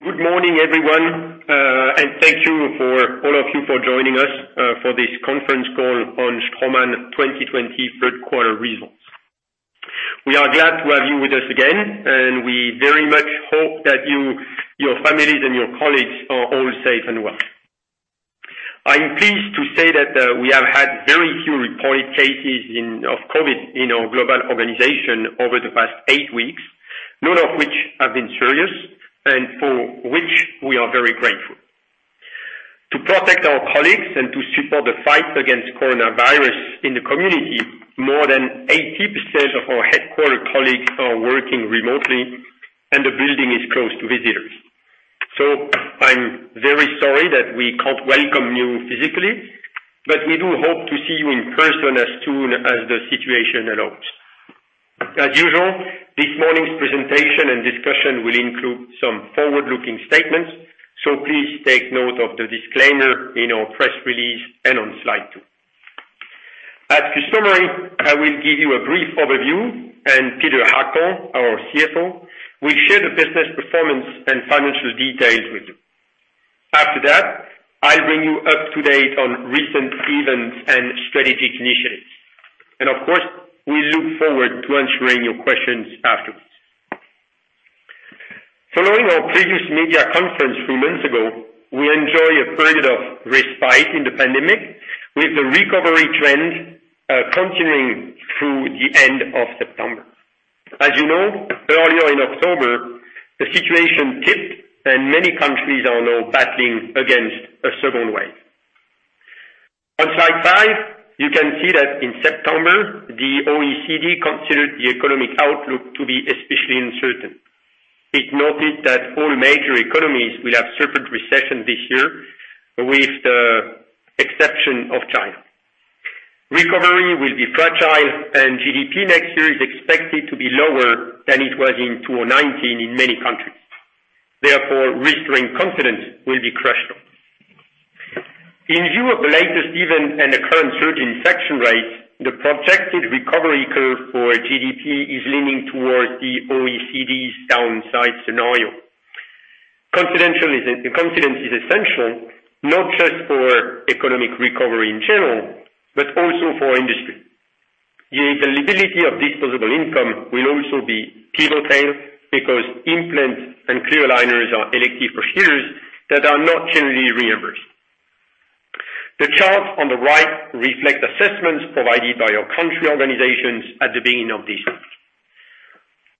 Good morning everyone, and thank you all of you for joining us for this conference call on Straumann 2020 third quarter results. We are glad to have you with us again, and we very much hope that your families and your colleagues are all safe and well. I'm pleased to say that we have had very few reported cases of COVID in our global organization over the past eight weeks, none of which have been serious, and for which we are very grateful. To protect our colleagues and to support the fight against coronavirus in the community, more than 80% of our headquarters colleagues are working remotely, and the building is closed to visitors. I'm very sorry that we can't welcome you physically, but we do hope to see you in person as soon as the situation allows. As usual, this morning's presentation and discussion will include some forward-looking statements, so please take note of the disclaimer in our press release and on slide two. As customary, I will give you a brief overview, and Peter Hackel, our CFO, will share the business performance and financial details with you. After that, I'll bring you up to date on recent events and strategic initiatives. Of course, we look forward to answering your questions afterwards. Following our previous media conference three months ago, we enjoy a period of respite in the pandemic, with the recovery trend continuing through the end of September. As you know, earlier in October, the situation tipped and many countries are now battling against a second wave. On slide five, you can see that in September, the OECD considered the economic outlook to be especially uncertain. It noted that all major economies will have suffered recession this year, with the exception of China. Recovery will be fragile. GDP next year is expected to be lower than it was in 2019 in many countries. Therefore, restoring confidence will be crucial. In view of the latest events and the current surge in infection rates, the projected recovery curve for GDP is leaning towards the OECD's downside scenario. Confidence is essential, not just for economic recovery in general, but also for industry. The availability of disposable income will also be pivotal, because implants and clear aligners are elective procedures that are not generally reimbursed. The chart on the right reflects assessments provided by our country organizations at the beginning of this month.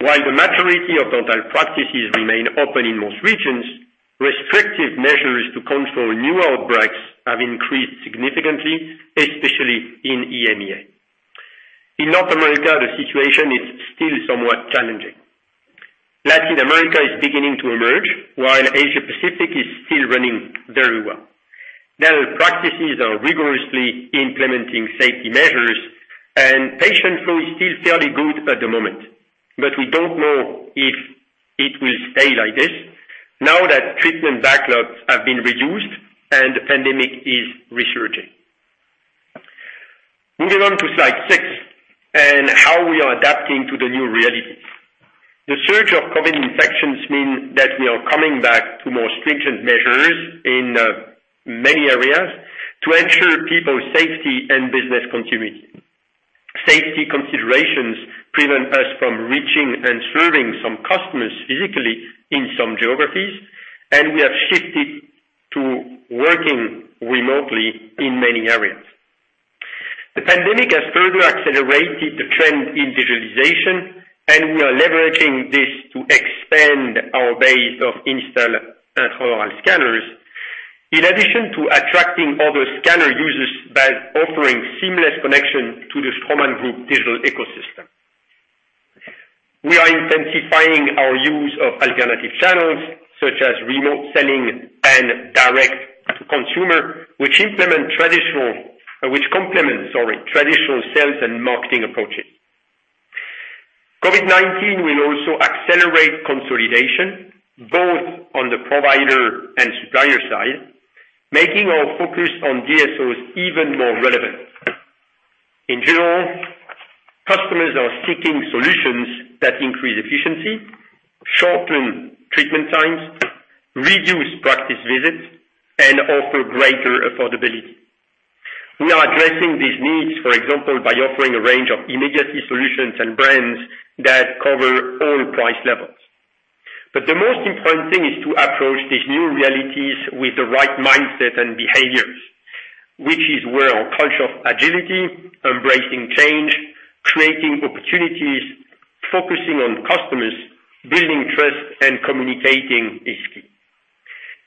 While the majority of dental practices remain open in most regions, restrictive measures to control new outbreaks have increased significantly, especially in EMEA. In North America, the situation is still somewhat challenging. Latin America is beginning to emerge, while Asia-Pacific is still running very well. Their practices are rigorously implementing safety measures, and patient flow is still fairly good at the moment. We don't know if it will stay like this, now that treatment backlogs have been reduced and the pandemic is resurging. Moving on to slide six, and how we are adapting to the new realities. The surge of COVID infections mean that we are coming back to more stringent measures in many areas to ensure people's safety and business continuity. Safety considerations prevent us from reaching and serving some customers physically in some geographies, and we have shifted to working remotely in many areas. The pandemic has further accelerated the trend in digitalization, and we are leveraging this to expand our base of install intraoral scanners. In addition to attracting other scanner users by offering seamless connection to the Straumann Group digital ecosystem. We are intensifying our use of alternative channels, such as remote selling and direct-to-consumer, which complements traditional sales and marketing approaches. COVID-19 will also accelerate consolidation, both on the provider and supplier side, making our focus on DSOs even more relevant. In general, customers are seeking solutions that increase efficiency, shorten treatment times, reduce practice visits, and offer greater affordability. We are addressing these needs, for example, by offering a range of immediacy solutions and brands that cover all price levels. The most important thing is to approach these new realities with the right mindset and behaviors, which is where our culture of agility, embracing change, creating opportunities, focusing on customers, building trust and communicating is key.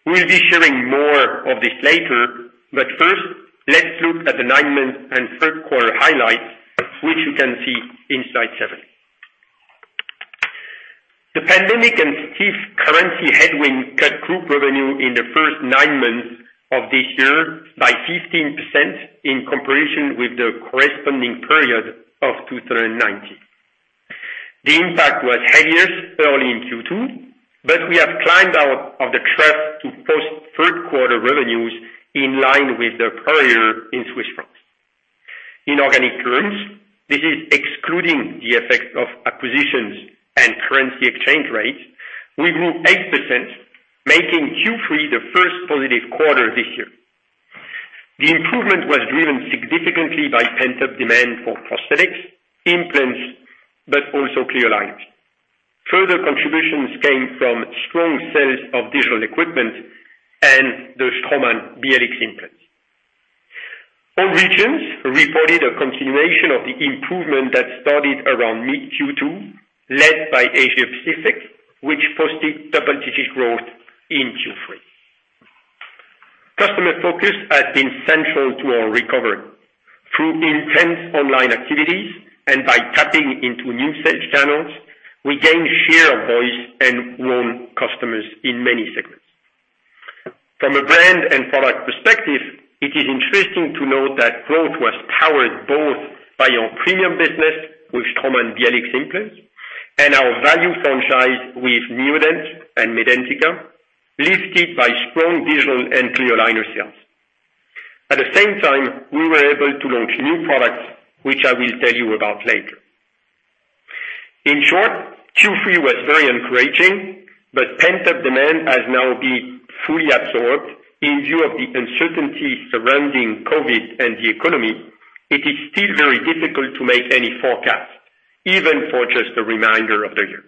We'll be sharing more of this later. First, let's look at the nine months and third quarter highlights, which you can see in slide seven. The pandemic and stiff currency headwind cut group revenue in the first nine months of this year by 15% in comparison with the corresponding period of 2019. The impact was heaviest early in Q2. We have climbed out of the trough to post third quarter revenues in line with the prior in Swiss francs. In organic terms, this is excluding the effect of acquisitions and currency exchange rates. We grew 8%, making Q3 the first positive quarter this year. The improvement was driven significantly by pent-up demand for prosthetics, implants, but also clear aligners. Further contributions came from strong sales of digital equipment and the Straumann BLX implants. All regions reported a continuation of the improvement that started around mid Q2, led by Asia Pacific, which posted double-digit growth in Q3. Customer focus has been central to our recovery. Through intense online activities and by tapping into new sales channels, we gain share of voice and won customers in many segments. From a brand and product perspective, it is interesting to note that growth was powered both by our premium business with Straumann BLX implants and our value franchise with Neodent and Medentika, lifted by strong digital and clear aligner sales. At the same time, we were able to launch new products, which I will tell you about later. In short, Q3 was very encouraging, but pent-up demand has now been fully absorbed. In view of the uncertainty surrounding COVID and the economy, it is still very difficult to make any forecast, even for just the remainder of the year.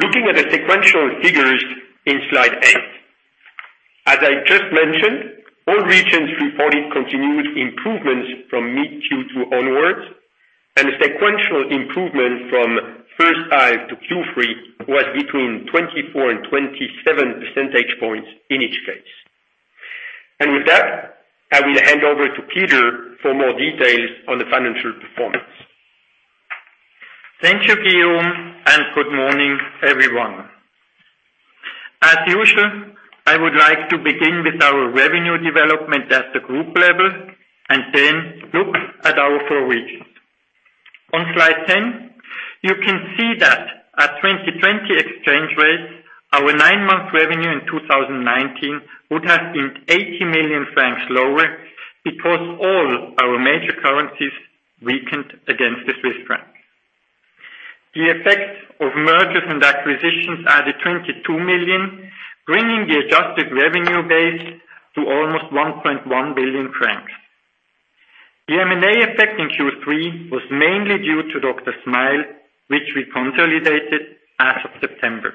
Looking at the sequential figures in slide eight. As I just mentioned, all regions reported continued improvements from mid Q2 onwards, and sequential improvement from first half to Q3 was between 24 and 27 percentage points in each case. With that, I will hand over to Peter for more details on the financial performance. Thank you, Guillaume. Good morning, everyone. As usual, I would like to begin with our revenue development at the group level and then look at our four regions. On slide 10, you can see that at 2020 exchange rates, our nine-month revenue in 2019 would have been 80 million francs lower because all our major currencies weakened against the Swiss franc. The effects of mergers and acquisitions added 22 million, bringing the adjusted revenue base to almost 1.1 billion francs. The M&A effect in Q3 was mainly due to DrSmile, which we consolidated as of September.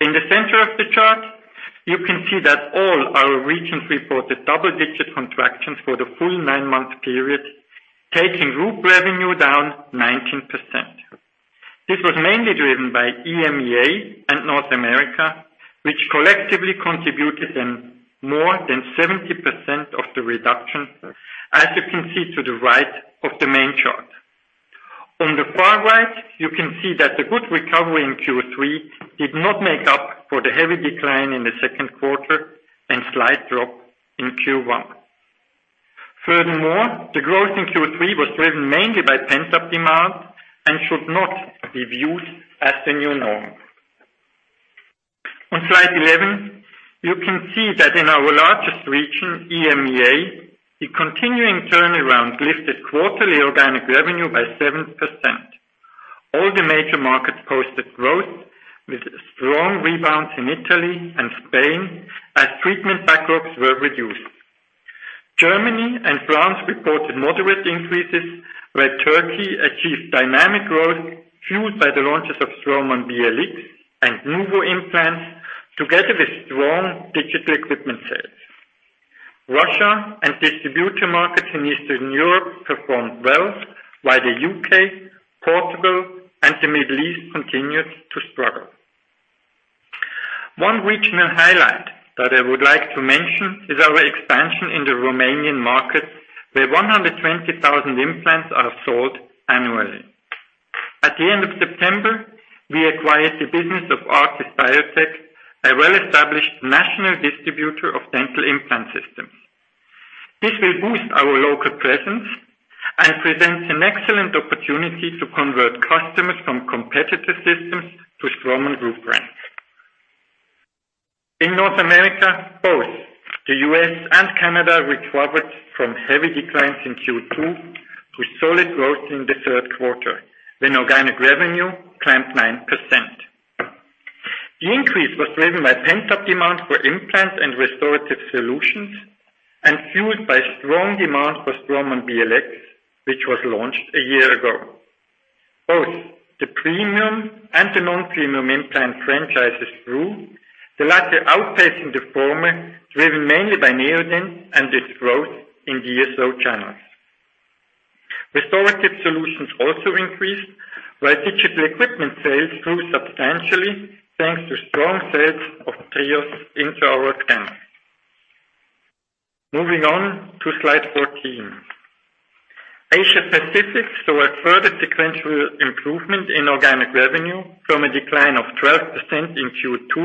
In the center of the chart, you can see that all our regions reported double-digit contractions for the full nine-month period, taking group revenue down 19%. This was mainly driven by EMEA and North America, which collectively contributed more than 70% of the reduction, as you can see to the right of the main chart. On the far right, you can see that the good recovery in Q3 did not make up for the heavy decline in the second quarter and slight drop in Q1. Furthermore, the growth in Q3 was driven mainly by pent-up demand and should not be viewed as the new norm. On slide 11, you can see that in our largest region, EMEA, the continuing turnaround lifted quarterly organic revenue by 7%. All the major markets posted growth with strong rebounds in Italy and Spain as treatment backlogs were reduced. Germany and France reported moderate increases, where Turkey achieved dynamic growth fueled by the launches of Straumann BLX and NUVO implants, together with strong digital equipment sales. Russia and distributor markets in Eastern Europe performed well, while the U.K., Portugal, and the Middle East continued to struggle. One regional highlight that I would like to mention is our expansion in the Romanian market, where 120,000 implants are sold annually. At the end of September, we acquired the business of Artis Bio Tech, a well-established national distributor of dental implant systems. This will boost our local presence and presents an excellent opportunity to convert customers from competitor systems to Straumann Group brands. In North America, both the U.S. and Canada recovered from heavy declines in Q2 to solid growth in the third quarter, when organic revenue climbed 9%. The increase was driven by pent-up demand for implants and restorative solutions, and fueled by strong demand for Straumann BLX, which was launched a year ago. Both the premium and the non-premium implant franchises grew, the latter outpacing the former, driven mainly by Neodent and its growth in DSO channels. Restorative solutions also increased, while digital equipment sales grew substantially, thanks to strong sales of TRIOS intraoral scanners. Moving on to slide 14. Asia Pacific saw a further sequential improvement in organic revenue from a decline of 12% in Q2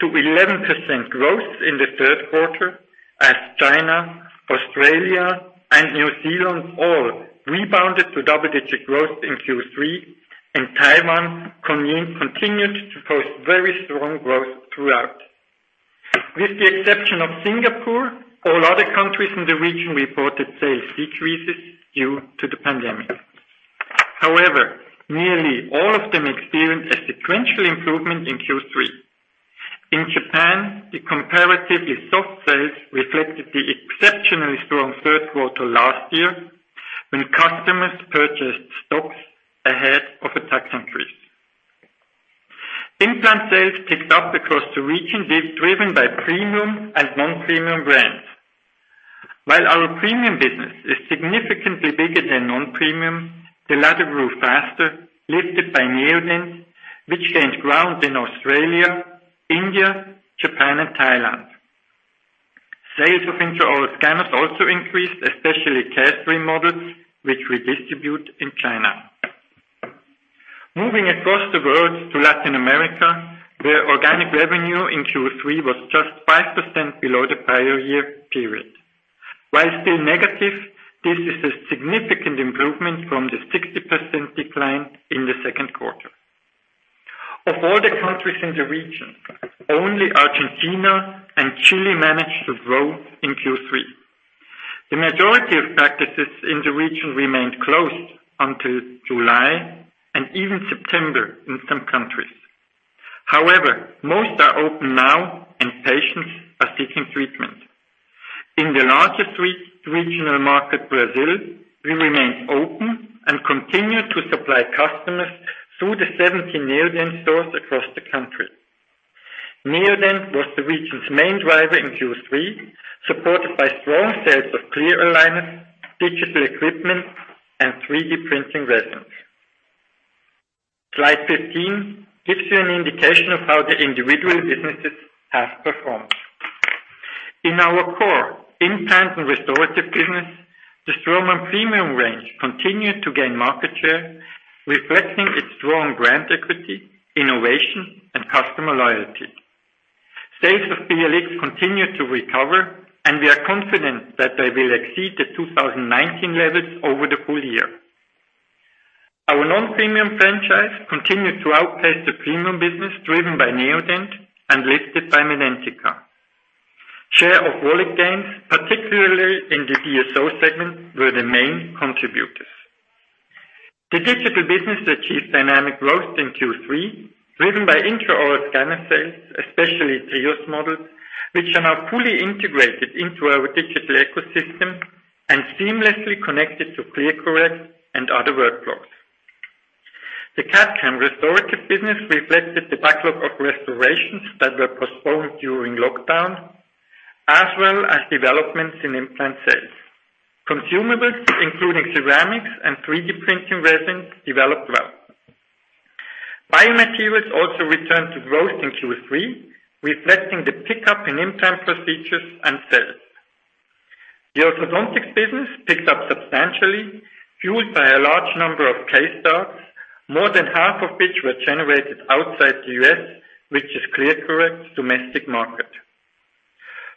to 11% growth in the third quarter as China, Australia, and New Zealand all rebounded to double-digit growth in Q3. Taiwan continued to post very strong growth throughout. With the exception of Singapore, all other countries in the region reported sales decreases due to the pandemic. However, nearly all of them experienced a sequential improvement in Q3. In Japan, the comparatively soft sales reflected the exceptionally strong third quarter last year when customers purchased stocks ahead of a tax increase. Implant sales picked up across the region, driven by premium and non-premium brands. While our premium business is significantly bigger than non-premium, the latter grew faster, lifted by Neodent, which gained ground in Australia, India, Japan, and Thailand. Sales of intraoral scanners also increased, especially Carestream models, which we distribute in China. Moving across the world to Latin America, where organic revenue in Q3 was just 5% below the prior year period. While still negative, this is a significant improvement from the 60% decline in the second quarter. Of all the countries in the region, only Argentina and Chile managed to grow in Q3. The majority of practices in the region remained closed until July and even September in some countries. However, most are open now and patients are seeking treatment. In the largest regional market, Brazil, we remained open and continued to supply customers through the 17 Neodent stores across the country. Neodent was the region's main driver in Q3, supported by strong sales of clear aligners, digital equipment, and 3D printing resins. Slide 15 gives you an indication of how the individual businesses have performed. In our core implant and restorative business, the Straumann premium range continued to gain market share, reflecting its strong brand equity, innovation, and customer loyalty. Sales of BLX continued to recover, and we are confident that they will exceed the 2019 levels over the full year. Our non-premium franchise continued to outpace the premium business driven by Neodent and lifted by Medentika. Share of wallet gains, particularly in the DSO segment, were the main contributors. The digital business achieved dynamic growth in Q3, driven by intraoral scanner sales, especially TRIOS models, which are now fully integrated into our digital ecosystem and seamlessly connected to ClearCorrect and other workflows. The CAD/CAM restorative business reflected the backlog of restorations that were postponed during lockdown, as well as developments in implant sales. Consumables, including ceramics and 3D printing resins, developed well. Biomaterials also returned to growth in Q3, reflecting the pickup in implant procedures and sales. The orthodontics business picked up substantially, fueled by a large number of case starts, more than half of which were generated outside the U.S., which is ClearCorrect's domestic market.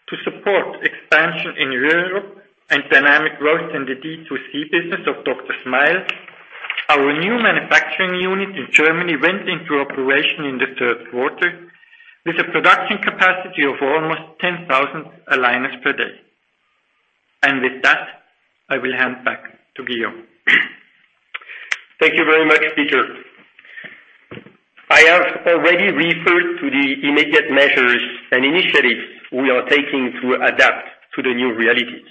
To support expansion in Europe and dynamic growth in the D2C business of DrSmile, our new manufacturing unit in Germany went into operation in the third quarter with a production capacity of almost 10,000 aligners per day. With that, I will hand back to Guillaume. Thank you very much, Peter. I have already referred to the immediate measures and initiatives we are taking to adapt to the new realities.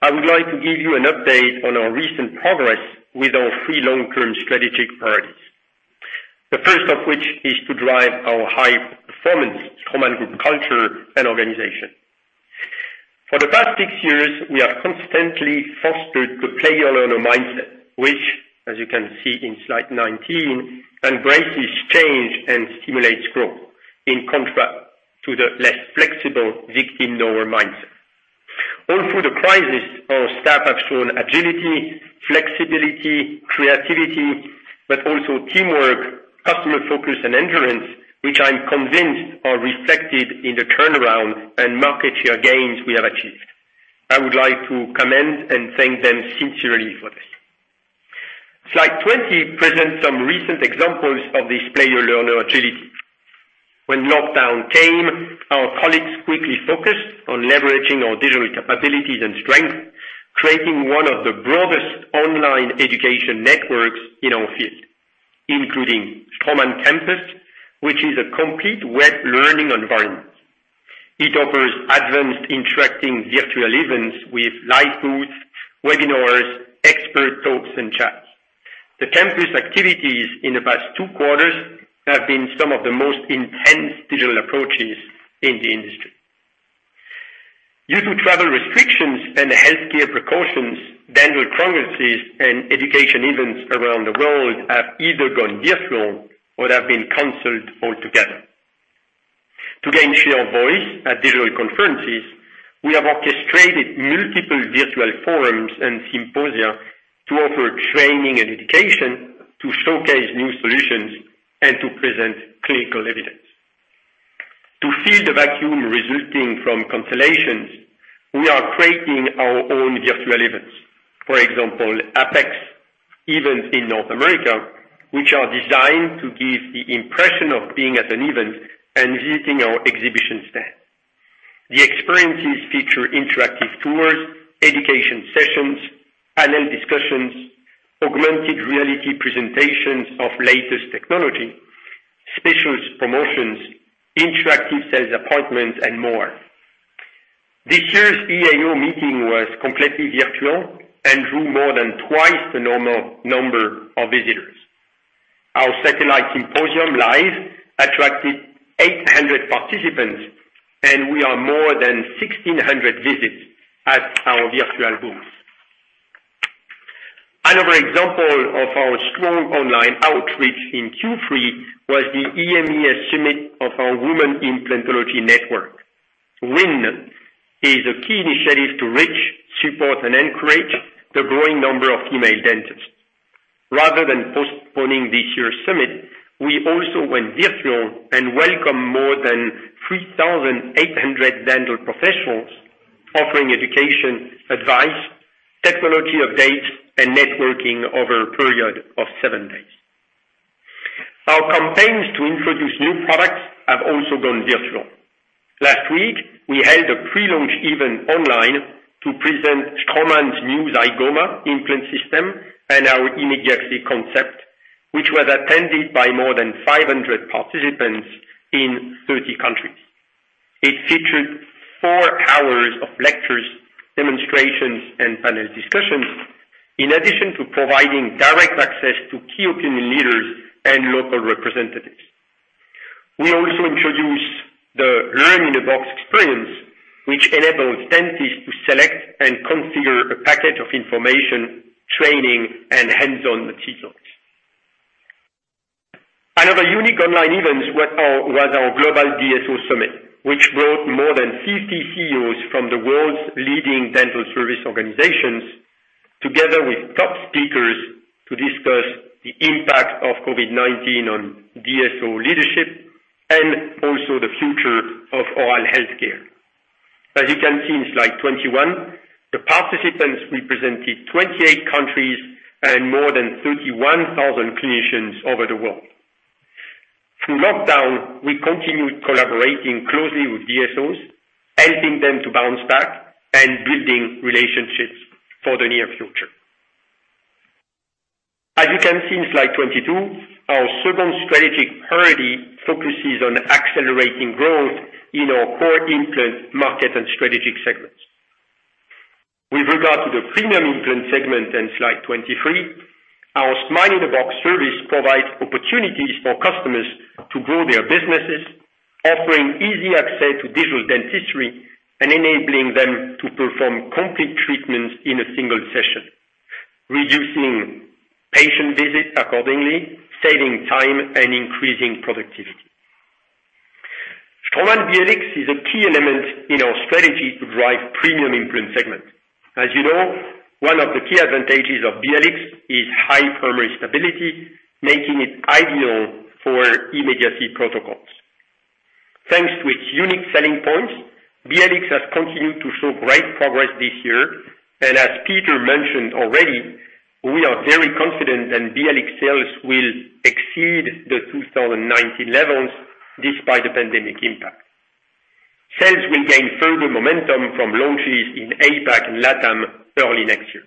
I would like to give you an update on our recent progress with our three long-term strategic priorities. The first of which is to drive our high-performance Straumann Group culture and organization. For the past six years, we have constantly fostered the player-learner mindset, which as you can see in slide 19, embraces change and stimulates growth in contrast to the less flexible victim-knower mindset. All through the crisis, our staff have shown agility, flexibility, creativity, but also teamwork, customer focus, and endurance, which I am convinced are reflected in the turnaround and market share gains we have achieved. I would like to commend and thank them sincerely for this. Slide 20 presents some recent examples of this player-learner agility. When lockdown came, our colleagues quickly focused on leveraging our digital capabilities and strengths, creating one of the broadest online education networks in our field, including Straumann Campus, which is a complete web learning environment. It offers advanced interacting virtual events with live booths, webinars, expert talks, and chats. The campus activities in the past two quarters have been some of the most intense digital approaches in the industry. Due to travel restrictions and the healthcare precautions, dental congresses and education events around the world have either gone virtual or have been canceled altogether. To gain share of voice at digital conferences, we have orchestrated multiple virtual forums and symposia to offer training and education, to showcase new solutions, and to present clinical evidence. To fill the vacuum resulting from cancellations, we are creating our own virtual events. For example, APEX events in North America, which are designed to give the impression of being at an event and visiting our exhibition stand. The experiences feature interactive tours, education sessions, panel discussions, augmented reality presentations of latest technology, specialist promotions, interactive sales appointments, and more. This year's EAO meeting was completely virtual and drew more than twice the normal number of visitors. Our satellite symposium, Live, attracted 800 participants, and we are more than 1,600 visits at our virtual booth. Another example of our strong online outreach in Q3 was the EMEA Summit of our Women Implantology Network. WIN is a key initiative to reach, support, and encourage the growing number of female dentists. Rather than postponing this year's summit, we also went virtual and welcomed more than 3,800 dental professionals, offering education, advice, technology updates, and networking over a period of seven days. Our campaigns to introduce new products have also gone virtual. Last week, we held a pre-launch event online to present Straumann's new Zygomatic Implant System and our immediacy concept, which was attended by more than 500 participants in 30 countries. It featured four hours of lectures, demonstrations, and panel discussions, in addition to providing direct access to key opinion leaders and local representatives. We also introduced the Learn in a Box experience, which enables dentists to select and configure a package of information, training, and hands-on materials. Another unique online event was our global DSO Summit, which brought more than 50 CEOs from the world's leading dental service organizations, together with top speakers to discuss the impact of COVID-19 on DSO leadership and also the future of oral healthcare. As you can see in slide 21, the participants represented 28 countries and more than 31,000 clinicians over the world. Through lockdown, we continued collaborating closely with DSOs, helping them to bounce back and building relationships for the near future. As you can see in slide 22, our second strategic priority focuses on accelerating growth in our core implant market and strategic segments. With regard to the premium implant segment in slide 23, our Smile in a Box service provides opportunities for customers to grow their businesses, offering easy access to digital dentistry and enabling them to perform complete treatments in a single session, reducing patient visits accordingly, saving time, and increasing productivity. Straumann BLX is a key element in our strategy to drive premium implant segment. As you know, one of the key advantages of BLX is high primary stability, making it ideal for immediacy protocols. Thanks to its unique selling points, BLX has continued to show great progress this year, and as Peter mentioned already, we are very confident that BLX sales will exceed the 2019 levels despite the pandemic impact. Sales will gain further momentum from launches in APAC and LATAM early next year.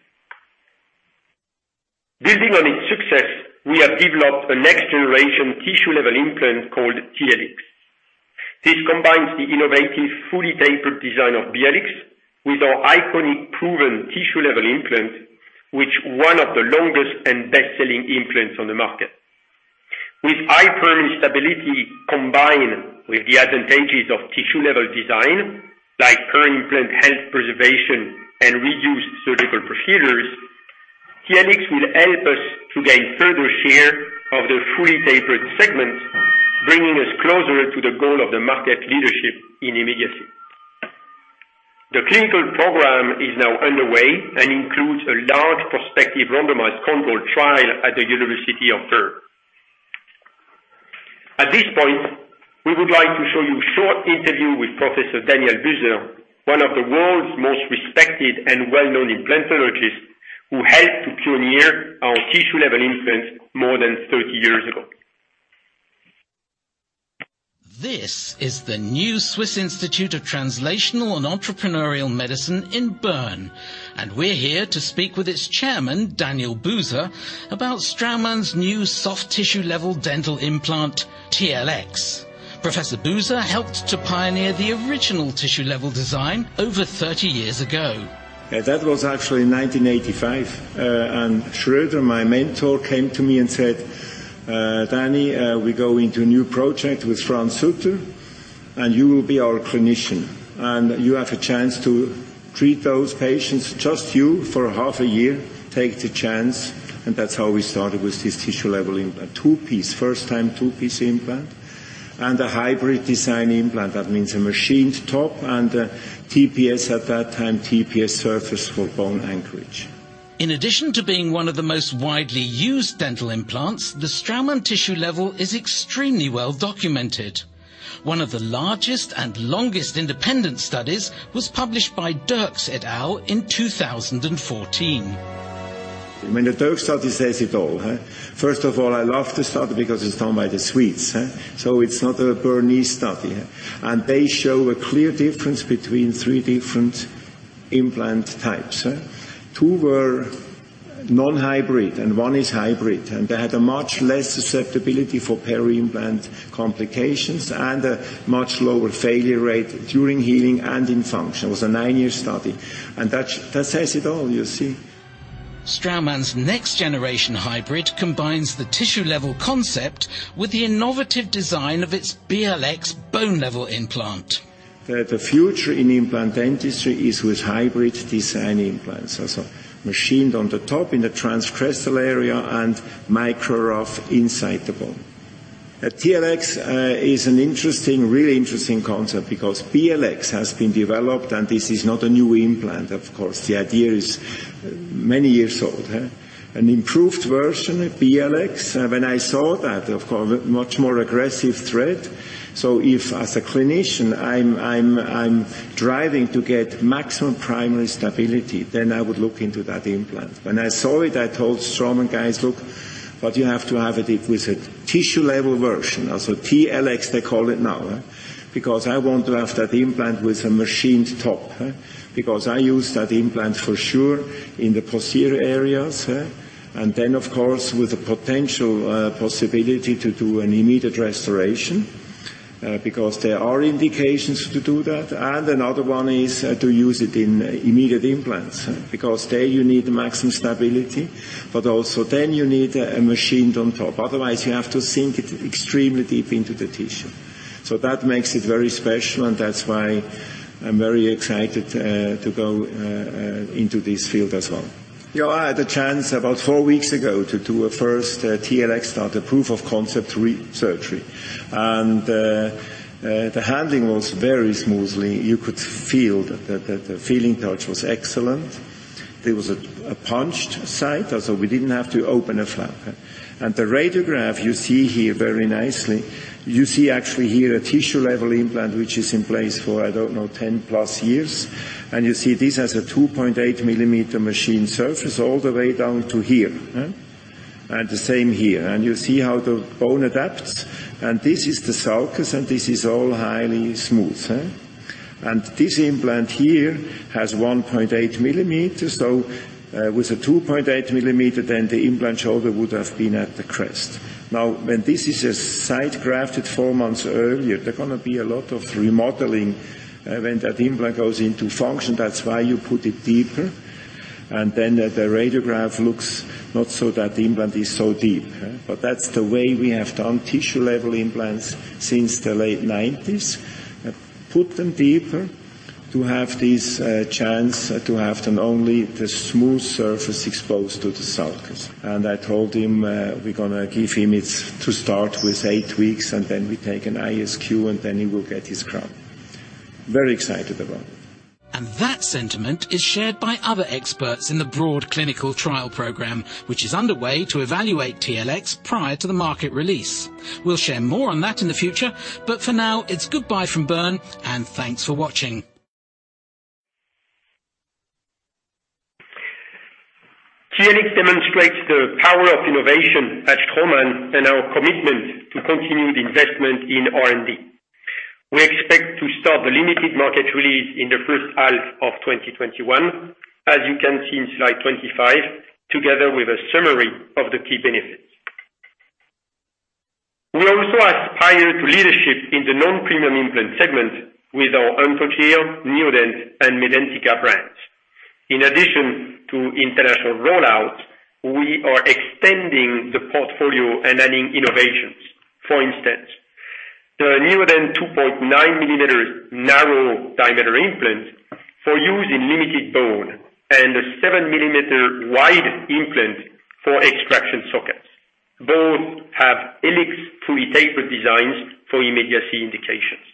Building on its success, we have developed a next-generation tissue-level implant called TLX. This combines the innovative, fully tapered design of BLX with our iconic proven tissue-level implant, which one of the longest and best-selling implants on the market. With high primary stability combined with the advantages of tissue-level design, like peri-implant health preservation and reduced surgical procedures, TLX will help us to gain further share of the fully tapered segment, bringing us closer to the goal of the market leadership in immediacy. The clinical program is now underway and includes a large prospective randomized controlled trial at the University of Bern. At this point, we would like to show you a short interview with Professor Daniel Buser, one of the world's most respected and well-known implantologists who helped to pioneer our tissue-level implants more than 30 years ago. This is the new Swiss Institute for Translational and Entrepreneurial Medicine in Bern, and we're here to speak with its chairman, Daniel Buser, about Straumann's new soft tissue-level dental implant, TLX. Professor Buser helped to pioneer the original tissue-level design over 30 years ago. Yeah, that was actually 1985. Schroeder, my mentor, came to me and said, "Danny, we're going to a new project with Franz Sutter, and you will be our clinician. You have a chance to treat those patients, just you, for half a year. Take the chance." That's how we started with this tissue-level implant. Two-piece, first-time two-piece implant and a hybrid design implant. That means a machined top and a TPS at that time, TPS surface for bone anchorage. In addition to being one of the most widely used dental implants, the Straumann tissue level is extremely well documented. One of the largest and longest independent studies was published by Derks et al in 2014. The Derks study says it all. First of all, I love the study because it's done by the Swedes, so it's not a Bernese study. They show a clear difference between three different implant types. Two were non-hybrid and one is hybrid, and they had a much less susceptibility for peri-implant complications and a much lower failure rate during healing and in function. It was a nine-year study, and that says it all. Straumann's next generation hybrid combines the tissue level concept with the innovative design of its BLX bone level implant. The future in implant dentistry is with hybrid design implants. Also machined on the top in the transcrestal area and micro-rough inside the bone. TLX is a really interesting concept because BLX has been developed, and this is not a new implant, of course. The idea is many years old. An improved version of BLX. When I saw that, of course, much more aggressive thread. If, as a clinician, I'm driving to get maximum primary stability, then I would look into that implant. When I saw it, I told Straumann guys, "Look, but you have to have it with a tissue level version." Also TLX, they call it now. I want to have that implant with a machined top. I use that implant for sure in the posterior areas. Then, of course, with the potential possibility to do an immediate restoration because there are indications to do that. Another one is to use it in immediate implants because there you need maximum stability, but also then you need a machined on top. Otherwise, you have to sink it extremely deep into the tissue. That makes it very special, and that's why I'm very excited to go into this field as well. I had a chance about four weeks ago to do a first TLX, start a proof of concept surgery, and the handling was very smoothly. You could feel that the feeling touch was excellent. There was a punched site, so we didn't have to open a flap. The radiograph you see here very nicely, you see actually here a tissue level implant, which is in place for, I don't know, 10+ years. You see this has a 2.8 mm machine surface all the way down to here. The same here. You see how the bone adapts. This is the sulcus, and this is all highly smooth. This implant here has 1.8 mm. With a 2.8 mm, the implant shoulder would have been at the crest. Now, when this is a site grafted four months earlier, there going to be a lot of remodeling when that implant goes into function. That's why you put it deeper. The radiograph looks not so that the implant is so deep. That's the way we have done tissue level implants since the late 1990s. Put them deeper to have this chance to have then only the smooth surface exposed to the sulcus. I told him we're going to give him it to start with eight weeks. Then we take an ISQ. Then he will get his crown. Very excited about it. That sentiment is shared by other experts in the broad clinical trial program, which is underway to evaluate TLX prior to the market release. We'll share more on that in the future, for now, it's goodbye from Bern and thanks for watching. TLX demonstrates the power of innovation at Straumann and our commitment to continue the investment in R&D. We expect to start the limited market release in the first half of 2021, as you can see in slide 25, together with a summary of the key benefits. We also aspire to leadership in the non-premium implant segment with our Anthogyr, Neodent, and Medentika brands. In addition to international rollout, we are extending the portfolio and adding innovations. For instance, the Neodent 2.9 mm narrow diameter implant for use in limited bone and a 7 mm wide implant for extraction sockets. Both have Helix fully tapered designs for immediacy indications.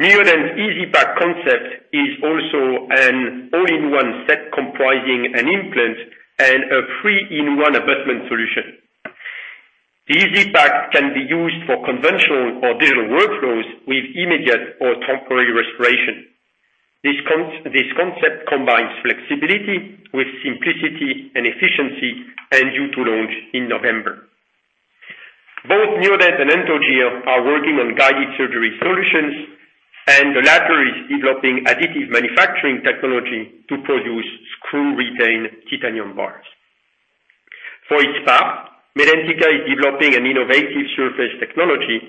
Neodent EasyPack concept is also an all-in-one set comprising an implant and a three-in-one abutment solution. The EasyPack can be used for conventional or digital workflows with immediate or temporary restoration. This concept combines flexibility with simplicity and efficiency and due to launch in November. Both Neodent and Anthogyr are working on guided surgery solutions, and the latter is developing additive manufacturing technology to produce screw-retained titanium bars. For its part, Medentika is developing an innovative surface technology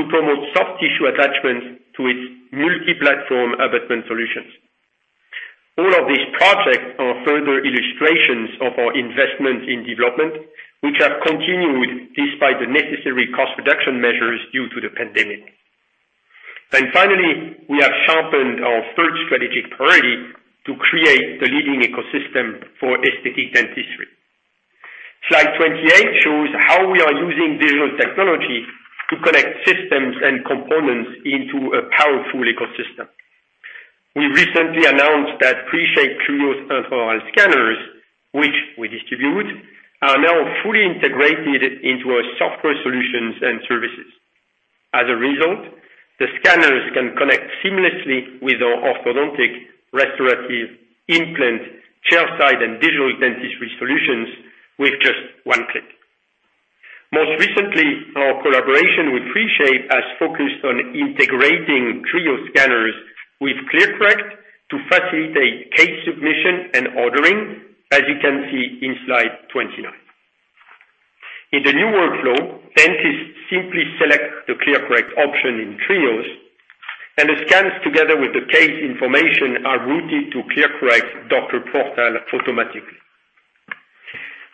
to promote soft tissue attachment to its multi-platform abutment solutions. All of these projects are further illustrations of our investment in development, which have continued despite the necessary cost reduction measures due to the pandemic. Finally, we have sharpened our third strategic priority to create the leading ecosystem for aesthetic dentistry. Slide 28 shows how we are using digital technology to connect systems and components into a powerful ecosystem. We recently announced that 3Shape TRIOS intraoral scanners, which we distribute, are now fully integrated into our software solutions and services. As a result, the scanners can connect seamlessly with our orthodontic, restorative, implant, chairside, and digital dentistry solutions with just one click. Most recently, our collaboration with 3Shape has focused on integrating TRIOS scanners with ClearCorrect to facilitate case submission and ordering, as you can see in slide 29. In the new workflow, dentists simply select the ClearCorrect option in TRIOS, and the scans, together with the case information, are routed to ClearCorrect Doctor Portal automatically.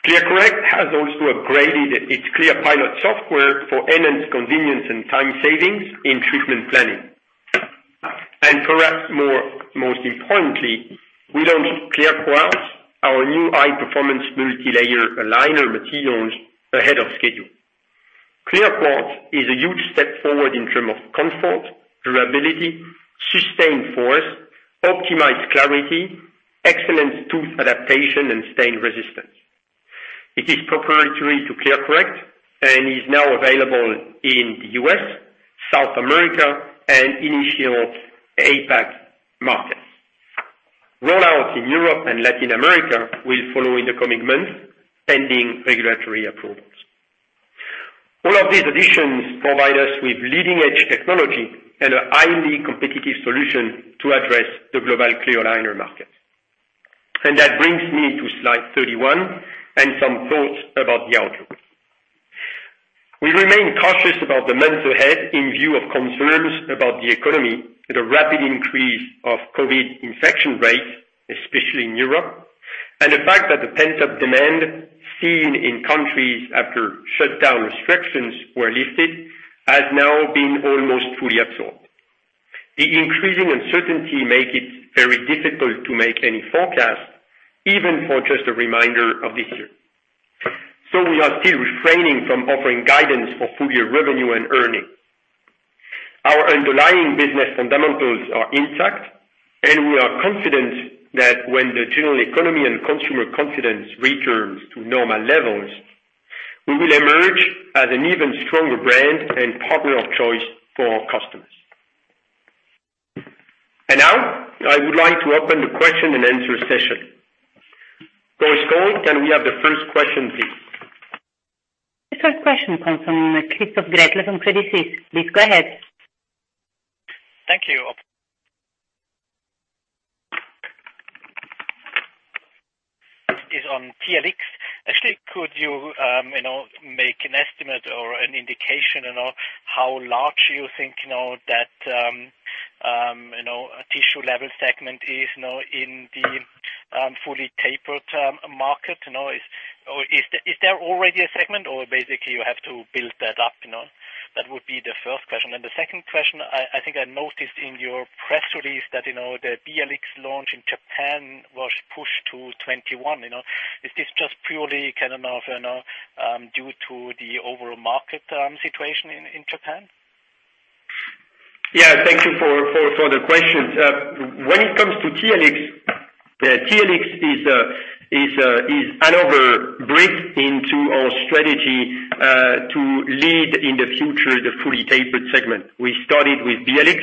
ClearCorrect has also upgraded its ClearPilot software for enhanced convenience and time savings in treatment planning. Perhaps most importantly, we launched ClearQuartz, our new high-performance multilayer aligner materials ahead of schedule. ClearQuartz is a huge step forward in terms of comfort, durability, sustained force, optimized clarity, excellent tooth adaptation, and stain resistance. It is proprietary to ClearCorrect and is now available in the U.S., South America, and initial APAC markets. Rollout in Europe and Latin America will follow in the coming months, pending regulatory approvals. All of these additions provide us with leading-edge technology and a highly competitive solution to address the global clear aligner market. That brings me to slide 31 and some thoughts about the outlook. We remain cautious about the months ahead in view of concerns about the economy and a rapid increase of COVID infection rates, especially in Europe, and the fact that the pent-up demand seen in countries after shutdown restrictions were lifted has now been almost fully absorbed. The increasing uncertainty make it very difficult to make any forecast, even for just a remainder of this year. We are still refraining from offering guidance for full year revenue and earnings. Our underlying business fundamentals are intact, we are confident that when the general economy and consumer confidence returns to normal levels, we will emerge as an even stronger brand and partner of choice for our customers. Now, I would like to open the question-and-answer session. Chorus Call, can we have the first question, please? The first question comes from Christoph Gretler from Credit Suisse. Please go ahead. Thank you. Is on TLX. Actually, could you make an estimate or an indication how large you think that tissue level segment is now in the fully tapered market? Is there already a segment or basically you have to build that up? That would be the first question. The second question, I think I noticed in your press release that the BLX launch in Japan was pushed to 2021. Is this just purely due to the overall market situation in Japan? Yeah. Thank you for the questions. When it comes to TLX, TLX is another brick into our strategy to lead in the future the fully tapered segment. We started with BLX.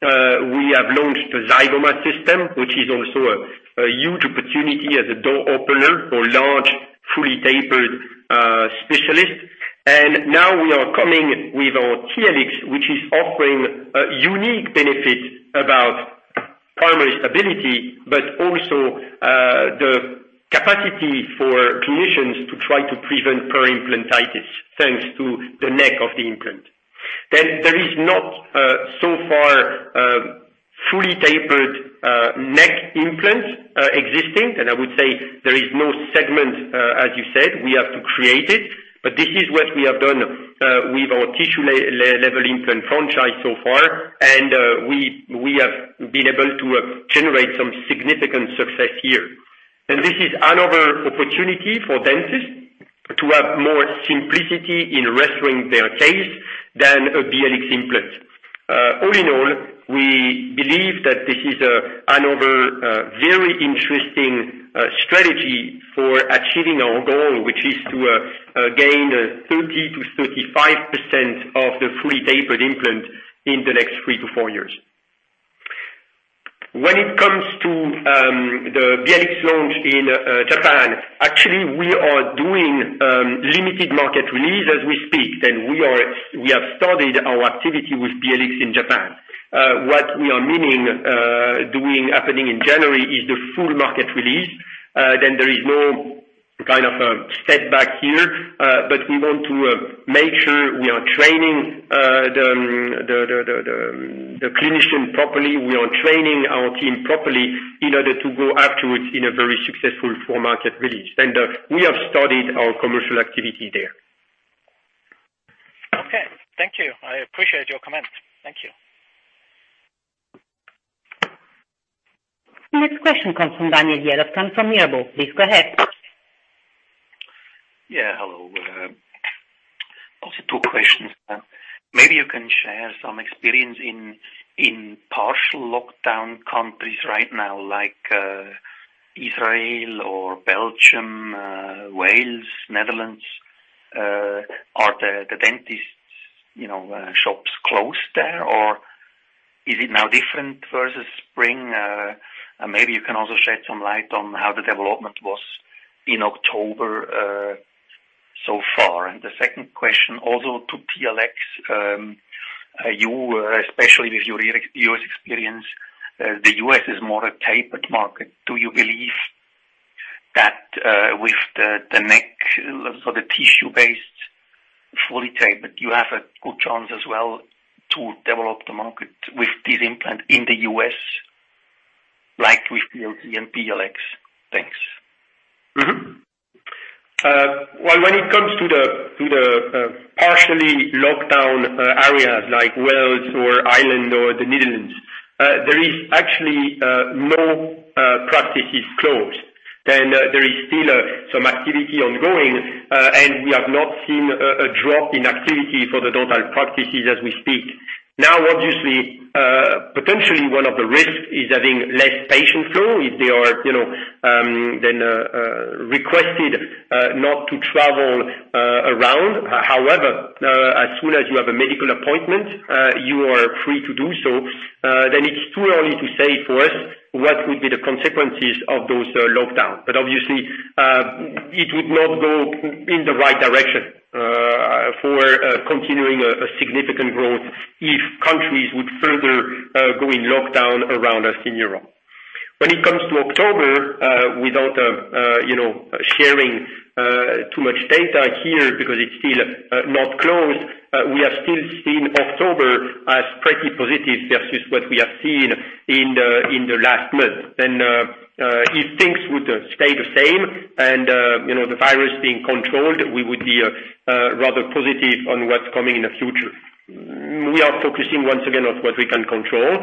We have launched the Zygoma system, which is also a huge opportunity as a door opener for large fully tapered specialists. Now we are coming with our TLX, which is offering a unique benefit about primary stability, but also the capacity for clinicians to try to prevent peri-implantitis, thanks to the neck of the implant. There is not, so far, fully tapered neck implants existing. I would say there is no segment, as you said. We have to create it. This is what we have done with our tissue level implant franchise so far. We have been able to generate some significant success here. This is another opportunity for dentists to have more simplicity in restoring their case than a BLX implant. All in all, we believe that this is another very interesting strategy for achieving our goal, which is to gain 30%-35% of the fully tapered implant in the next three to four years. When it comes to the BLX launch in Japan, actually, we are doing limited market release as we speak. We have started our activity with BLX in Japan. What is happening in January is the full market release. There is no kind of a setback here. We want to make sure we are training the clinician properly, we are training our team properly in order to go afterwards in a very successful full market release. We have started our commercial activity there. Okay. Thank you. I appreciate your comment. Thank you. The next question comes from Daniel Jelovcan from Mirabaud. Please go ahead. Hello. Two questions. Maybe you can share some experience in partial lockdown countries right now, like Israel or Belgium, Wales, Netherlands. Are the dentist shops closed there, or is it now different versus spring? Maybe you can shed some light on how the development was in October so far. The second question to TLX, especially with your U.S. experience, the U.S. is more a tapered market. Do you believe that with the neck for the tissue-based fully tapered, you have a good chance as well to develop the market with this implant in the U.S. like with the BLX? Thanks. When it comes to the partially locked down areas like Wales or Ireland or the Netherlands, there is actually no practices closed. There is still some activity ongoing, and we have not seen a drop in activity for the total practices as we speak. Obviously, potentially one of the risks is having less patient flow if they are requested not to travel around. However, as soon as you have a medical appointment, you are free to do so. It's too early to say for us what would be the consequences of those lockdown. Obviously, it would not go in the right direction for continuing a significant growth if countries would further go in lockdown around us in Europe. When it comes to October, without sharing too much data here because it's still not closed, we have still seen October as pretty positive versus what we have seen in the last month. If things would stay the same and the virus being controlled, we would be rather positive on what's coming in the future. We are focusing once again on what we can control,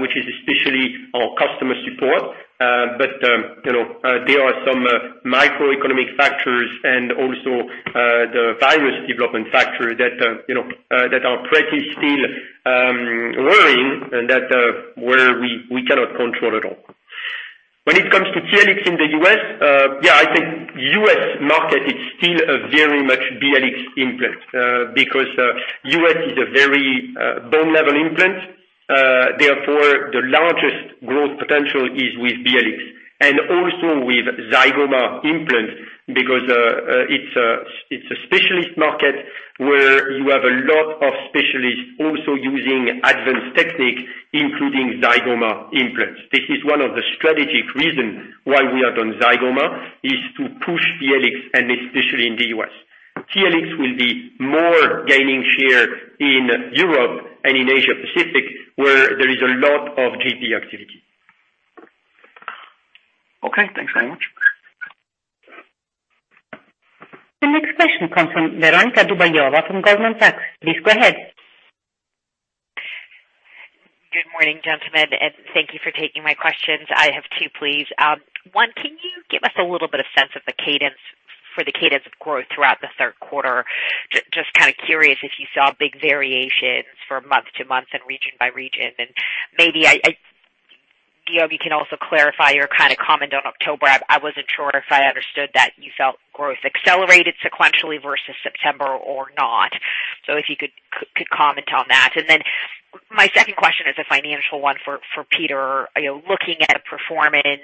which is especially our customer support. There are some microeconomic factors and also the virus development factor that are pretty still worrying and that where we cannot control at all. When it comes to TLX in the U.S., yeah, I think U.S. market is still a very much BLX implant, because U.S. is a very bone level implant. Therefore, the largest growth potential is with BLX and also with Zygoma implants, because it's a specialist market where you have a lot of specialists also using advanced technique, including Zygoma implants. This is one of the strategic reasons why we are on Zygoma, is to push TLX, and especially in the U.S. TLX will be more gaining share in Europe and in Asia Pacific, where there is a lot of GP activity. Okay, thanks very much. The next question comes from Veronika Dubajova from Goldman Sachs. Please go ahead. Good morning, gentlemen, thank you for taking my questions. I have two, please. One, can you give us a little bit of sense of the cadence for the cadence of growth throughout the third quarter? Just kind of curious if you saw big variations for month-to-month and region-by-region. Maybe, Guillaume, you can also clarify your comment on October. I wasn't sure if I understood that you felt growth accelerated sequentially versus September or not. If you could comment on that. My second question is a financial one for Peter. Looking at performance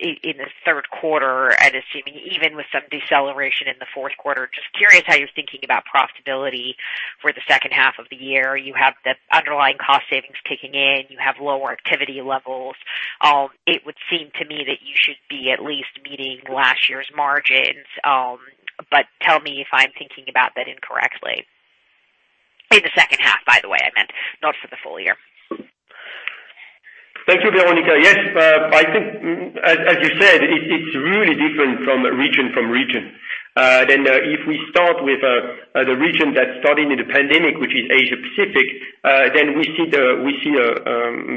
in the third quarter and assuming even with some deceleration in the fourth quarter, just curious how you're thinking about profitability for the second half of the year. You have the underlying cost savings kicking in. You have lower activity levels. It would seem to me that you should be at least meeting last year's margins, but tell me if I'm thinking about that incorrectly. In the second half, by the way, I meant, not for the full year. Thank you, Veronika. Yes, I think, as you said, it is really different from region from region. If we start with the region that started in the pandemic, which is Asia-Pacific, we see a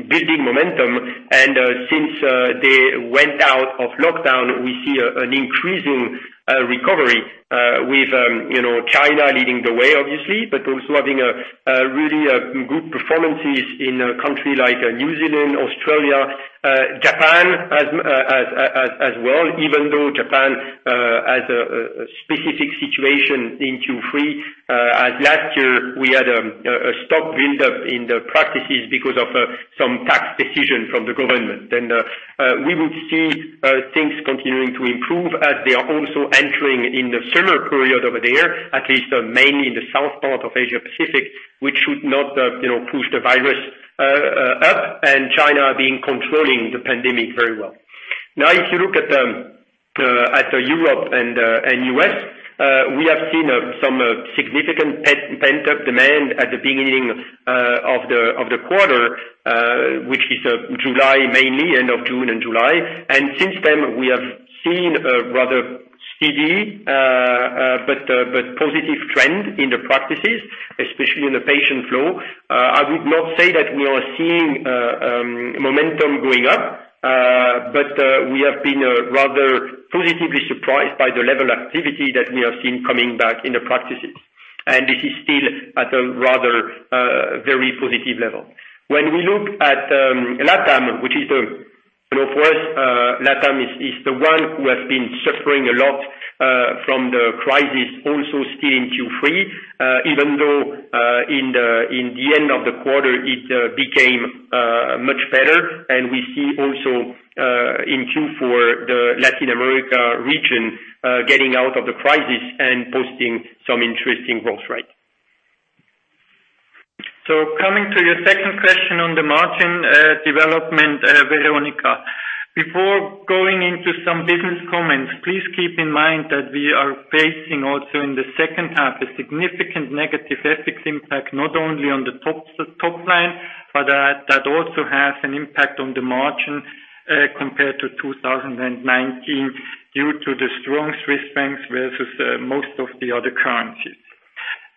building momentum. Since they went out of lockdown, we see an increasing recovery with China leading the way, obviously, but also having really good performances in a country like New Zealand, Australia, Japan as well, even though Japan has a specific situation in Q3, as last year we had a stock build-up in the practices because of some tax decision from the government. We would see things continuing to improve as they are also entering in the summer period over there, at least mainly in the south part of Asia-Pacific, which should not push the virus up, China being controlling the pandemic very well. If you look at Europe and the U.S., we have seen some significant pent-up demand at the beginning of the quarter, which is July mainly, end of June and July. Since then, we have seen a rather steady but positive trend in the practices, especially in the patient flow. I would not say that we are seeing momentum going up, but we have been rather positively surprised by the level of activity that we have seen coming back in the practices. This is still at a rather very positive level. When we look at LATAM, which is for us, LATAM is the one who has been suffering a lot from the crisis also still in Q3, even though in the end of the quarter it became much better and we see also in Q4, the Latin America region, getting out of the crisis and posting some interesting growth rate. Coming to your second question on the margin development, Veronika, before going into some business comments, please keep in mind that we are facing also in the second half, a significant negative FX impact, not only on the top line, but that also has an impact on the margin, compared to 2019 due to the strong Swiss banks versus most of the other currencies.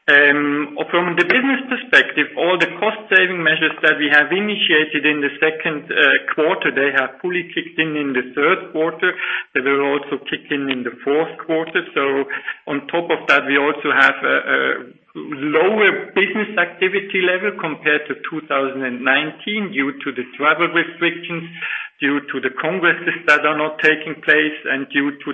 From the business perspective, all the cost saving measures that we have initiated in the second quarter, they have fully kicked in in the third quarter. They will also kick in the fourth quarter. On top of that, we also have a lower business activity level compared to 2019 due to the travel restrictions, due to the congresses that are not taking place, and due to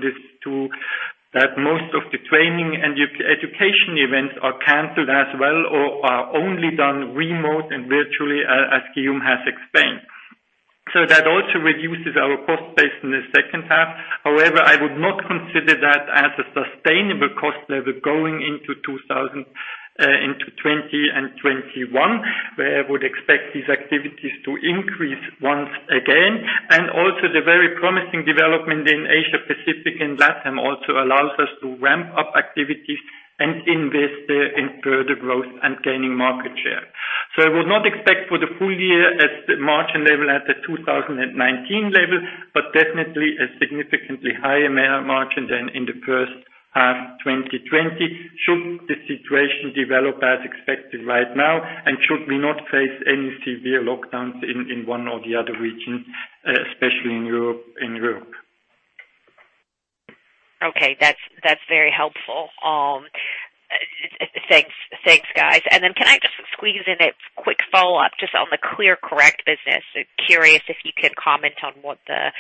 that most of the training and education events are canceled as well, or are only done remote and virtually, as Guillaume has explained. That also reduces our cost base in the second half. However, I would not consider that as a sustainable cost level going into 2020 and 2021, where I would expect these activities to increase once again. Also the very promising development in Asia Pacific and LATAM also allows us to ramp up activities and invest in further growth and gaining market share. I would not expect for the full year as the margin level at the 2019 level, but definitely a significantly higher margin than in the first half 2020, should the situation develop as expected right now, and should we not face any severe lockdowns in one or the other regions, especially in Europe. Okay. That's very helpful. Thanks, guys. Then can I just squeeze in a quick follow-up just on the ClearCorrect business? Curious if you could comment on what the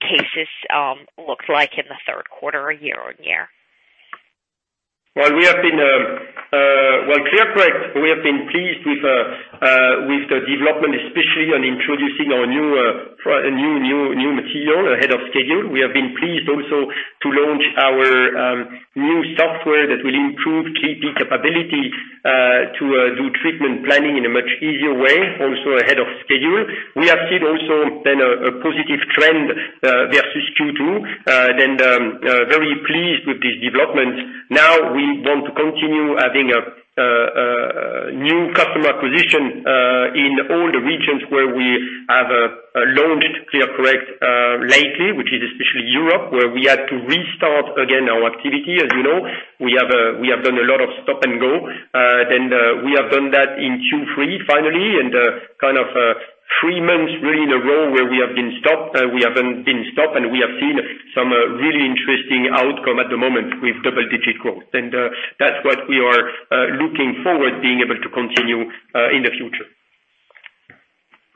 cases looked like in the third quarter year-on-year. Well, ClearCorrect, we have been pleased with the development, especially on introducing our new material ahead of schedule. We have been pleased also to launch our new software that will improve key capability to do treatment planning in a much easier way, also ahead of schedule. We have seen also then a positive trend versus Q2, then very pleased with this development. We want to continue adding a new customer acquisition in all the regions where we have launched ClearCorrect lately, which is especially Europe, where we had to restart again our activity. As you know, we have done a lot of stop and go. We have done that in Q3 finally, and kind of three months really in a row where we haven't been stopped, and we have seen some really interesting outcome at the moment with double digit growth. That's what we are looking forward being able to continue in the future.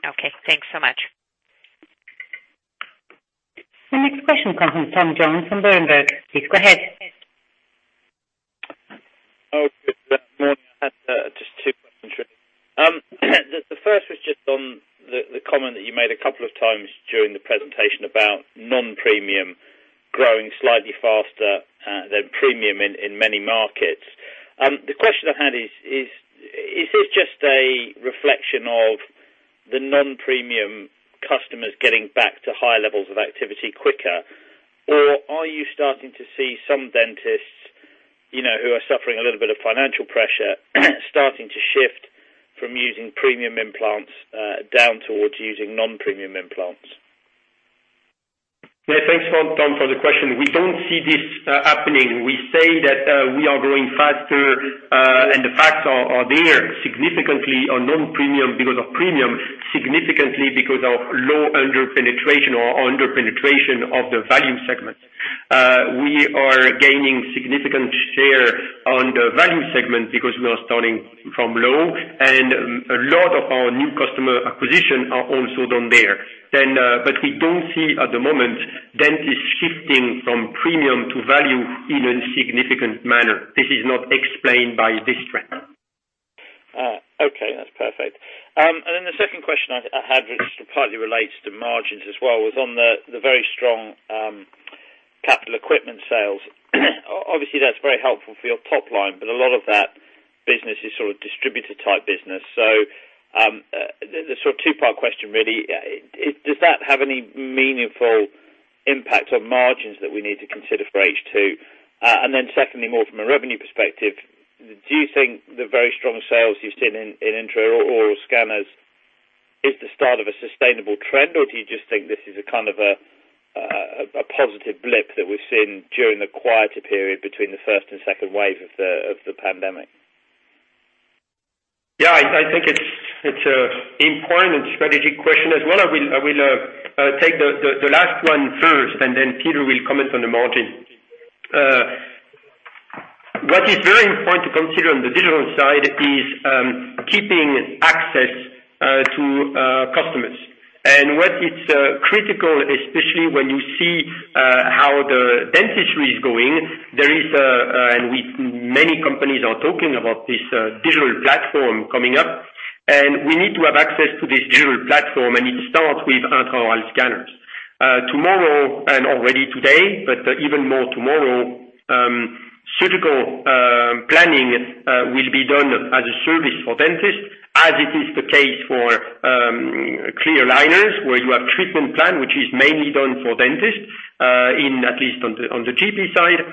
Okay. Thanks so much. The next question comes from Tom Jones from Berenberg. Please go ahead. Oh, good morning. I had just two questions. The first was just on the comment that you made a couple of times during the presentation about non-premium growing slightly faster than premium in many markets. The question I had is this just a reflection of the non-premium customers getting back to high levels of activity quicker? Or are you starting to see some dentists who are suffering a little bit of financial pressure starting to shift from using premium implants, down towards using non-premium implants? Yeah. Thanks, Tom, for the question. We don't see this happening. We say that we are growing faster, and the facts are there, significantly on non-premium because of premium, significantly because of low under-penetration or under-penetration of the value segment. We are gaining significant share on the value segment because we are starting from low, and a lot of our new customer acquisition are also down there. We don't see at the moment dentists shifting from premium to value in a significant manner. This is not explained by this trend. Okay, that's perfect. The second question I had, which partly relates to margins as well, was on the very strong capital equipment sales. Obviously, that's very helpful for your top line, but a lot of that business is sort of distributor type business. The sort of two-part question really, does that have any meaningful impact on margins that we need to consider for H2? Secondly, more from a revenue perspective, do you think the very strong sales you've seen in intraoral scanners is the start of a sustainable trend, or do you just think this is a positive blip that we're seeing during the quieter period between the first and second wave of the pandemic? Yeah, I think it's an important strategic question as well. I will take the last one first, then Peter will comment on the margin. What is very important to consider on the digital side is keeping access to customers. What is critical, especially when you see how the dentistry is going, many companies are talking about this digital platform coming up, we need to have access to this digital platform, it starts with intraoral scanners. Tomorrow already today, even more tomorrow, surgical planning will be done as a service for dentists, as it is the case for clear aligners, where you have treatment plan, which is mainly done for dentists, at least on the GP side.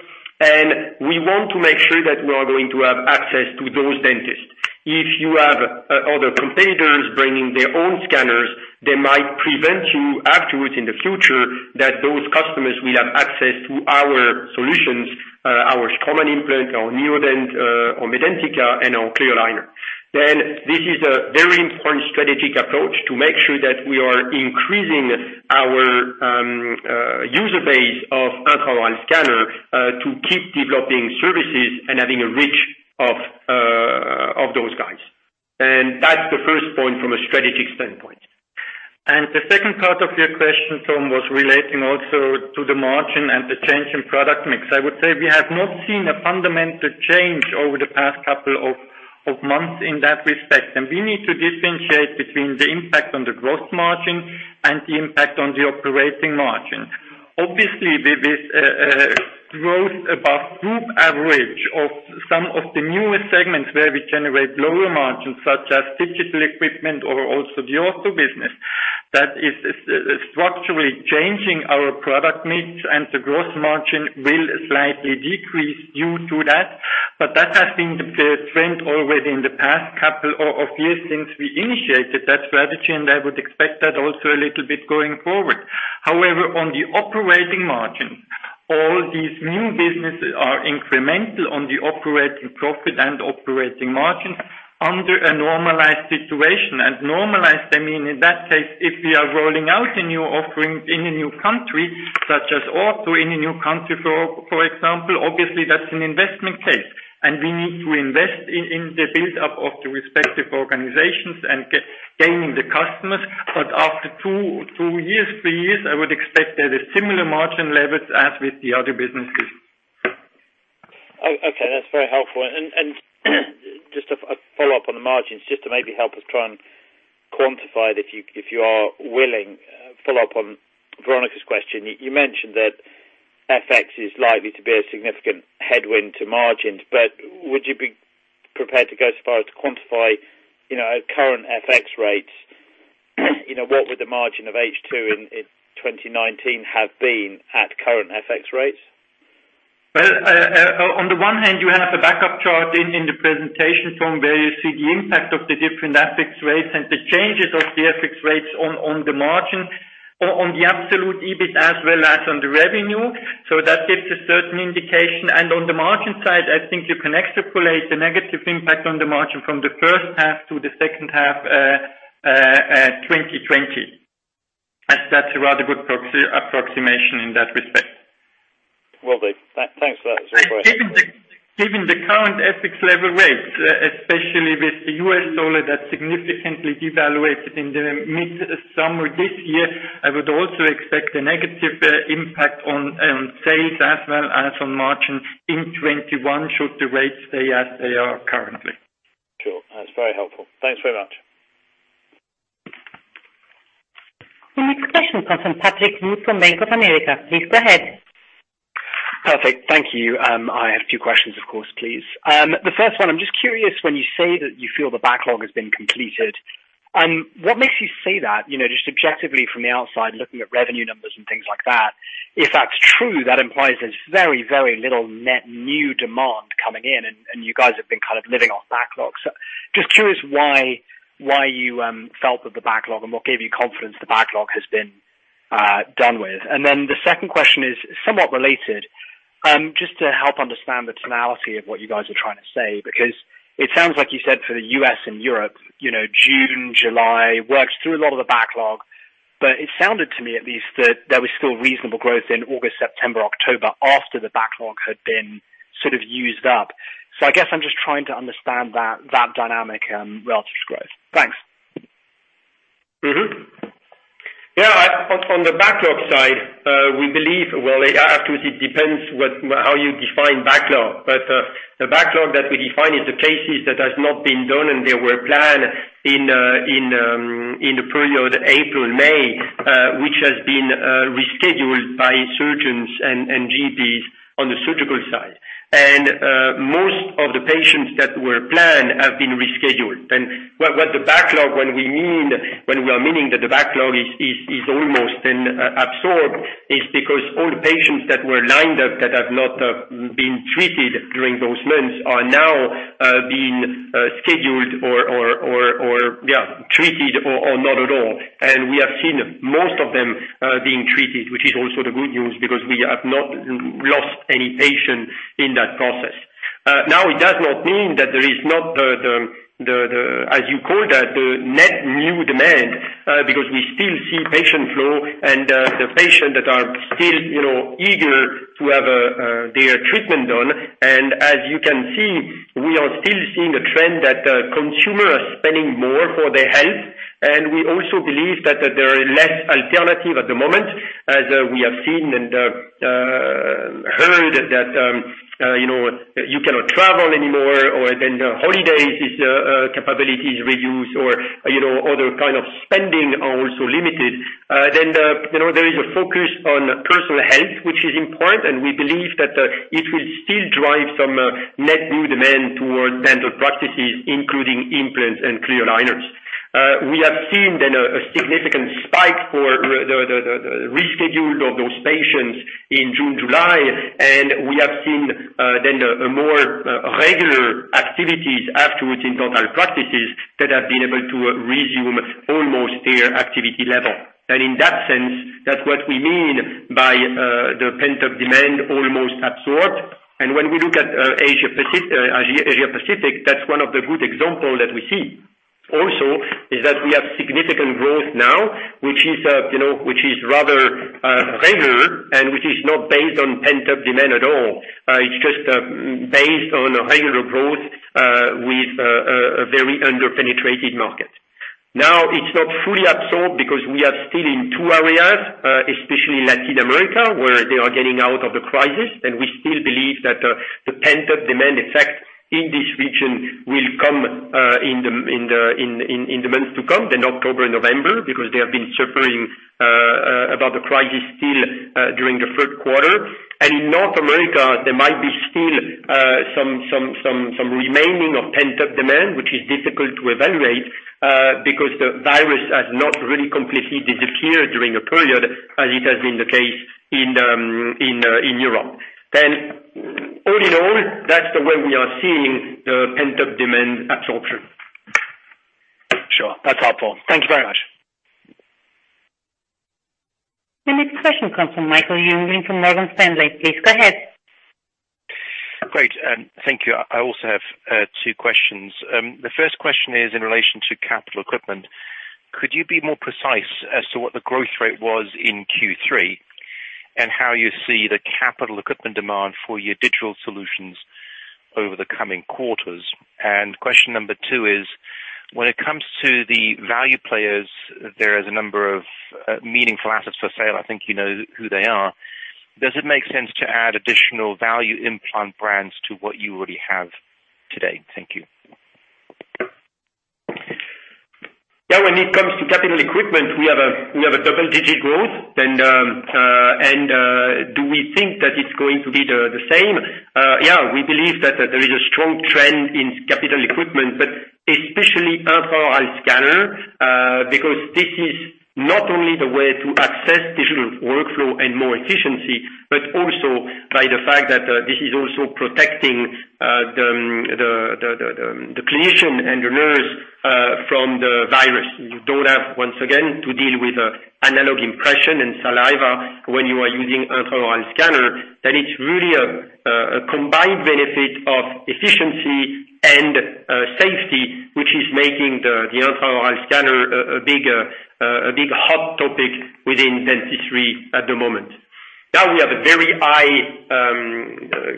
We want to make sure that we are going to have access to those dentists. If you have other competitors bringing their own scanners, they might prevent you afterwards, in the future, that those customers will have access to our solutions, our Straumann implant, our Neodent, our Medentika, and our clear aligner. This is a very important strategic approach to make sure that we are increasing our user base of intraoral scanner to keep developing services and having a reach of those guys. That's the first point from a strategic standpoint. The second part of your question, Tom, was relating also to the margin and the change in product mix. I would say we have not seen a fundamental change over the past couple of months in that respect. We need to differentiate between the impact on the gross margin and the impact on the operating margin. This growth above Group average of some of the newer segments where we generate lower margins, such as digital equipment or also the ortho business. That is structurally changing our product mix and the gross margin will slightly decrease due to that. That has been the trend already in the past couple of years since we initiated that strategy, and I would expect that also a little bit going forward. On the operating margin, all these new businesses are incremental on the operating profit and operating margin under a normalized situation. Normalized, I mean in that case, if we are rolling out a new offering in a new country, such as ortho in a new country, for example, obviously that's an investment case, and we need to invest in the build-up of the respective organizations and gaining the customers. After two years, three years, I would expect there is similar margin levels as with the other businesses. Okay, that's very helpful. Just a follow-up on the margins, just to maybe help us try and quantify it, if you are willing, follow up on Veronika's question. You mentioned that FX is likely to be a significant headwind to margins, would you be prepared to go as far as to quantify at current FX rates, what would the margin of H2 in 2019 have been at current FX rates? Well, on the one hand, you have a backup chart in the presentation from where you see the impact of the different FX rates and the changes of the FX rates on the margin, on the absolute EBIT as well as on the revenue. That gives a certain indication. On the margin side, I think you can extrapolate the negative impact on the margin from the first half to the second half 2020, as that's a rather good approximation in that respect. Will do. Thanks for that as well. Given the current FX level rates, especially with the U.S. dollar that significantly devaluated in the mid-summer this year, I would also expect a negative impact on sales as well as on margin in 2021 should the rates stay as they are currently. Sure. That's very helpful. Thanks very much. The next question comes from Patrick Wood from Bank of America. Please go ahead. Perfect. Thank you. I have two questions, of course, please. The first one, I am just curious when you say that you feel the backlog has been completed, what makes you say that? Just objectively from the outside, looking at revenue numbers and things like that, if that's true, that implies there's very, very little net new demand coming in, and you guys have been living off backlogs. Just curious why you felt that the backlog and what gave you confidence the backlog has been done with. The second question is somewhat related, just to help understand the tonality of what you guys are trying to say, because it sounds like you said for the U.S. and Europe, June, July, worked through a lot of the backlog. It sounded to me at least that there was still reasonable growth in August, September, October after the backlog had been sort of used up. I guess I'm just trying to understand that dynamic relative to growth. Thanks. Yeah, on the backlog side, Well, actually, it depends how you define backlog, but the backlog that we define is the cases that has not been done, and they were planned in the period April, May, which has been rescheduled by surgeons and GPs on the surgical side. Most of the patients that were planned have been rescheduled. What the backlog, when we are meaning that the backlog is almost absorbed, is because all the patients that were lined up that have not been treated during those months are now being scheduled or treated or not at all. We have seen most of them being treated, which is also the good news because we have not lost any patient in that process. Now, it does not mean that there is not the, as you call that, the net new demand, because we still see patient flow and the patient that are still eager to have their treatment done. As you can see, we are still seeing a trend that consumers are spending more for their health. We also believe that there are less alternative at the moment, as we have seen and heard that you cannot travel anymore, or then the holidays is capabilities reduced or other kind of spending are also limited. There is a focus on personal health, which is important, and we believe that it will still drive some net new demand towards dental practices, including implants and clear aligners. We have seen then a significant spike for the rescheduled of those patients in June, July, and we have seen then a more regular activities afterwards in total practices that have been able to resume almost their activity level. In that sense, that's what we mean by the pent-up demand almost absorbed. When we look at Asia-Pacific, that's one of the good example that we see. Also is that we have significant growth now, which is rather regular and which is not based on pent-up demand at all. It's just based on a higher growth, with a very under-penetrated market. Now, it's not fully absorbed because we are still in two areas, especially Latin America, where they are getting out of the crisis. We still believe that the pent-up demand effect in this region will come in the months to come, October, November, because they have been suffering about the crisis still during the third quarter. In North America, there might be still some remaining of pent-up demand, which is difficult to evaluate, because the virus has not really completely disappeared during the period as it has been the case in Europe. All in all, that's the way we are seeing the pent-up demand absorption. Sure. That's helpful. Thank you very much. The next question comes from Michael Jüngling from Morgan Stanley. Please go ahead. Great. Thank you. I also have two questions. The first question is in relation to capital equipment. Could you be more precise as to what the growth rate was in Q3, and how you see the capital equipment demand for your digital solutions over the coming quarters? Question number two is, when it comes to the value players, there is a number of meaningful assets for sale. I think you know who they are. Does it make sense to add additional value implant brands to what you already have today? Thank you. Yeah. When it comes to capital equipment, we have a double-digit growth. Do we think that it's going to be the same? Yeah. We believe that there is a strong trend in capital equipment, but especially intraoral scanner, because this is not only the way to access digital workflow and more efficiency, but also by the fact that this is also protecting the clinician and the nurse from the virus. You don't have, once again, to deal with analog impression and saliva when you are using intraoral scanner. It's really a combined benefit of efficiency and safety, which is making the intraoral scanner a big, hot topic within dentistry at the moment. Now we have a very high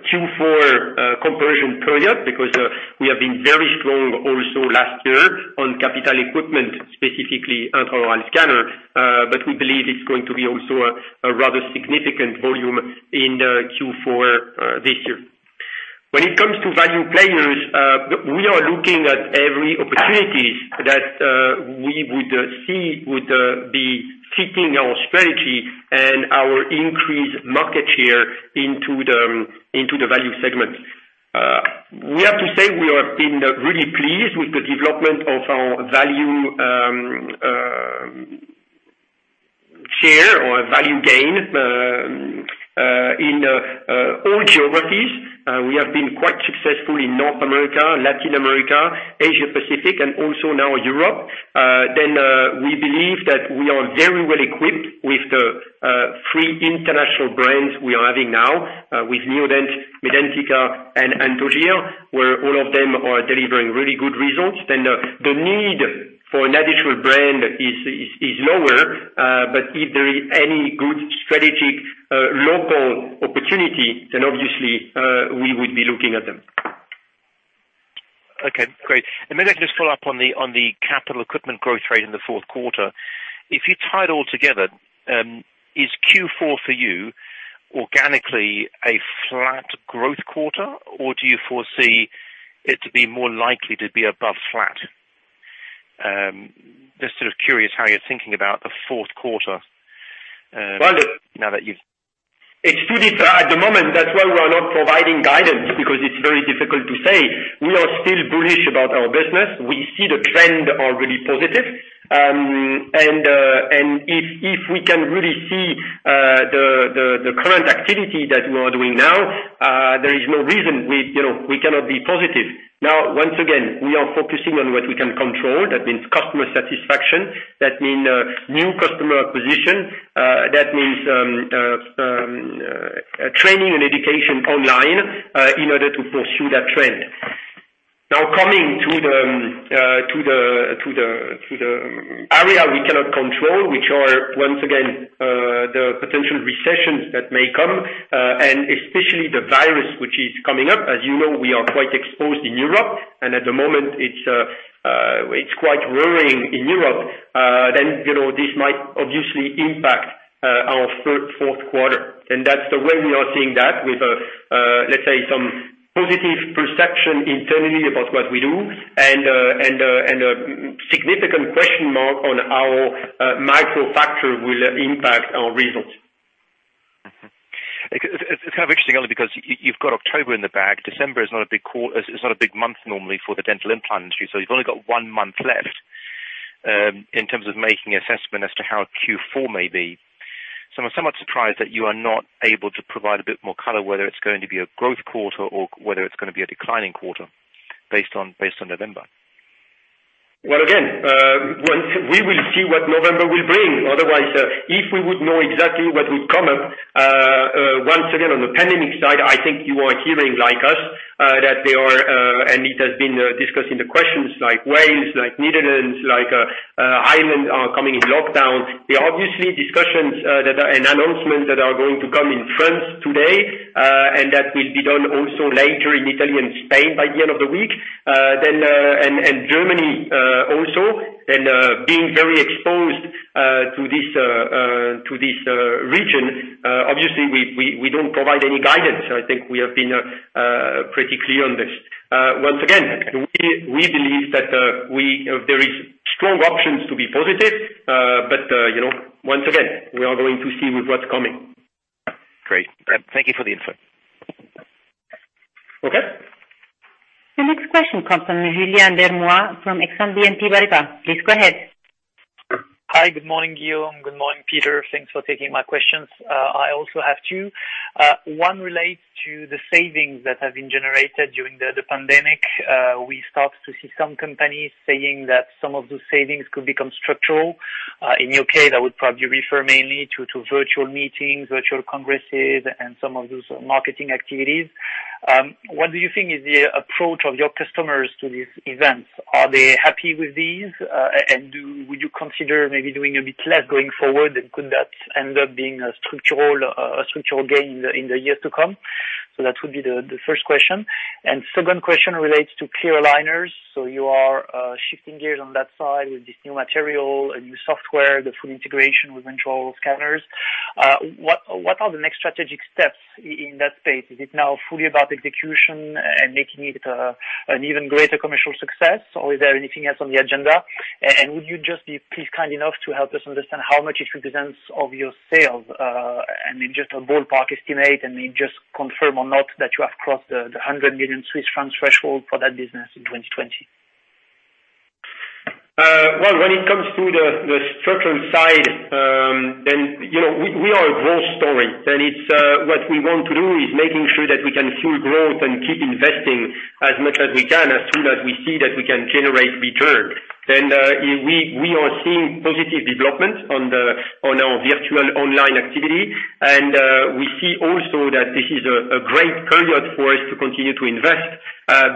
Q4 comparison period because, we have been very strong also last year on capital equipment, specifically intraoral scanner. We believe it's going to be also a rather significant volume in the Q4 this year. When it comes to value players, we are looking at every opportunities that we would see would be fitting our strategy and our increased market share into the value segment. We have to say we have been really pleased with the development of our value share or value gain, in all geographies. We have been quite successful in North America, Latin America, Asia-Pacific, and also now Europe. We believe that we are very well equipped with the three international brands we are having now, with Neodent, Medentika, and Anthogyr, where all of them are delivering really good results. The need for an additional brand is lower, but if there is any good strategic local opportunity, then obviously, we would be looking at them. Okay, great. Maybe I can just follow up on the capital equipment growth rate in the fourth quarter. If you tie it all together, is Q4 for you organically a flat growth quarter, or do you foresee it to be more likely to be above flat? Just sort of curious how you're thinking about the fourth quarter? Well- Now that you've- It's too difficult at the moment. That's why we're not providing guidance, because it's very difficult to say. We are still bullish about our business. We see the trend are really positive. If we can really see the current activity that we are doing now, there is no reason we cannot be positive. Once again, we are focusing on what we can control. That means customer satisfaction, that mean new customer acquisition, that means training and education online, in order to pursue that trend. Coming to the area we cannot control, which are, once again, the potential recessions that may come, and especially the virus, which is coming up. As you know, we are quite exposed in Europe, and at the moment it's quite worrying in Europe. This might obviously impact our fourth quarter. That's the way we are seeing that with, let's say, some positive perception internally about what we do and a significant question mark on how micro factors will impact our results. It's kind of interesting only because you've got October in the bag. December is not a big month normally for the dental implant industry, you've only got one month left, in terms of making assessment as to how Q4 may be. I'm somewhat surprised that you are not able to provide a bit more color, whether it's going to be a growth quarter or whether it's going to be a declining quarter based on November. Well, again, we will see what November will bring. Otherwise, if we would know exactly what would come up, once again, on the pandemic side, I think you are hearing like us, and it has been discussed in the questions, like Wales, like Netherlands, like Ireland are coming in lockdown. Obviously, discussions and announcements that are going to come in France today, and that will be done also later in Italy and Spain by the end of the week. Germany also. Being very exposed to this region, obviously we don't provide any guidance, I think we have been pretty clear on this. Once again, we believe that there is strong options to be positive. Once again, we are going to see with what's coming. Great. Thank you for the insight. Okay. The next question comes from Julien Dormois from Exane BNP Paribas. Please go ahead. Hi. Good morning, Guillaume. Good morning, Peter. Thanks for taking my questions. I also have two. One relates to the savings that have been generated during the pandemic. We start to see some companies saying that some of those savings could become structural. In U.K., that would probably refer mainly to virtual meetings, virtual congresses, and some of those marketing activities. What do you think is the approach of your customers to these events? Are they happy with these? Would you consider maybe doing a bit less going forward, and could that end up being a structural gain in the years to come? That would be the first question. Second question relates to clear aligners. You are shifting gears on that side with this new material, a new software, the full integration with intraoral scanners. What are the next strategic steps in that space? Is it now fully about execution and making it an even greater commercial success, or is there anything else on the agenda? Would you just be please kind enough to help us understand how much it represents of your sales, and in just a ballpark estimate, and then just confirm or not that you have crossed the 100 million Swiss francs threshold for that business in 2020? Well, when it comes to the structural side, we are a growth story. What we want to do is making sure that we can fuel growth and keep investing as much as we can, as soon as we see that we can generate return. We are seeing positive development on our virtual online activity. We see also that this is a great period for us to continue to invest,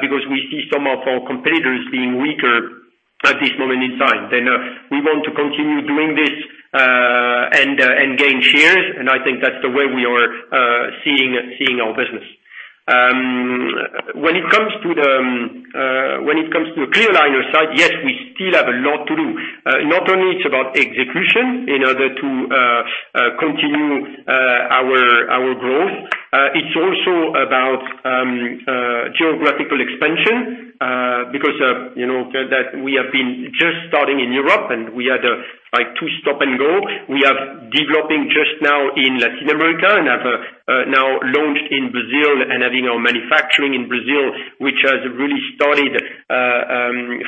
because we see some of our competitors being weaker at this moment in time. We want to continue doing this and gain shares, and I think that's the way we are seeing our business. When it comes to the clear aligner side, yes, we still have a lot to do. Not only it's about execution in order to continue our growth, it's also about geographical expansion, because we have been just starting in Europe, and we had two stop and go. We are developing just now in Latin America, and have now launched in Brazil and having our manufacturing in Brazil, which has really started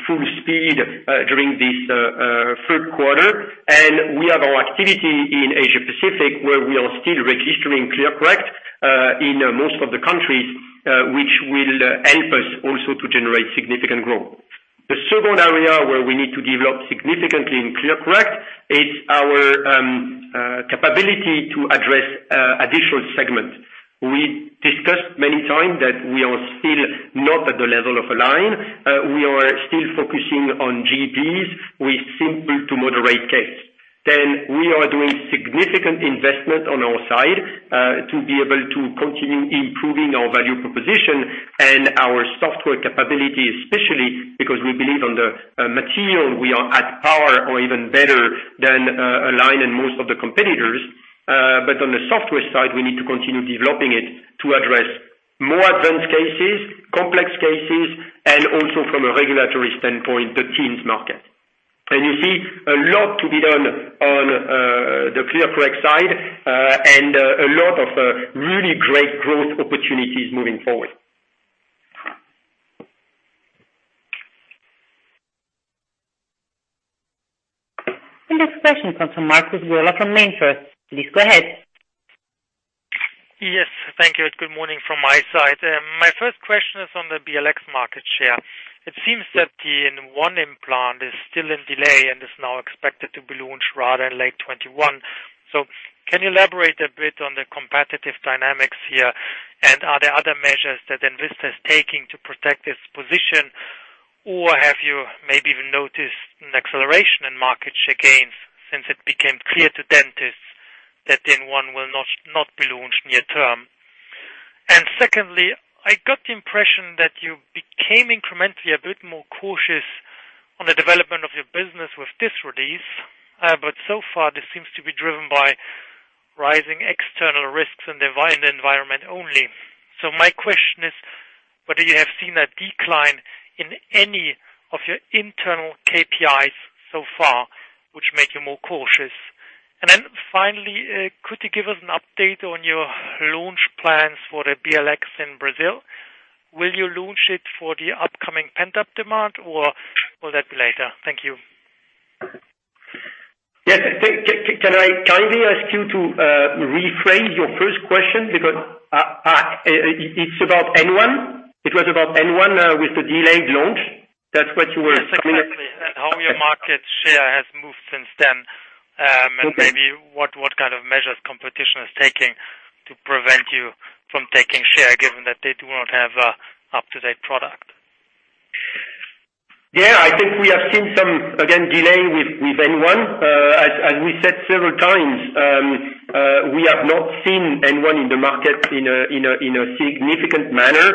full speed during this third quarter. We have our activity in Asia Pacific, where we are still registering ClearCorrect in most of the countries, which will help us also to generate significant growth. The second area where we need to develop significantly in ClearCorrect is our capability to address additional segment. We discussed many time that we are still not at the level of Align. We are still focusing on GPs with simple to moderate cases. We are doing significant investment on our side, to be able to continue improving our value proposition and our software capability, especially because we believe on the material, we are at par or even better than Align and most of the competitors. On the software side, we need to continue developing it to address more advanced cases, complex cases, and also from a regulatory standpoint, the teens market. You see a lot to be done on the ClearCorrect side, and a lot of really great growth opportunities moving forward. The next question comes from Markus Gola from MainFirst. Please go ahead. Yes. Thank you, good morning from my side. My first question is on the BLX market share. It seems that the N1 implant is still in delay and is now expected to be launched rather late 2021. Can you elaborate a bit on the competitive dynamics here, and are there other measures that Envista is taking to protect its position, or have you maybe even noticed an acceleration in market share gains since it became clear to dentists that N1 will not be launched near term? Secondly, I got the impression that you became incrementally a bit more cautious on the development of your business with this release, but so far, this seems to be driven by rising external risks in the environment only. My question is, whether you have seen a decline in any of your internal KPIs so far, which make you more cautious? Finally, could you give us an update on your launch plans for the BLX in Brazil? Will you launch it for the upcoming pent-up demand or will that be later? Thank you. Yes. Can I kindly ask you to rephrase your first question? Because it's about N1. It was about N1 with the delayed launch. Yes, exactly. How your market share has moved since then? Okay. Maybe what kind of measures competition is taking to prevent you from taking share, given that they do not have an up-to-date product. Yeah, I think we have seen some, again, delay with N1. As we said several times, we have not seen N1 in the market in a significant manner,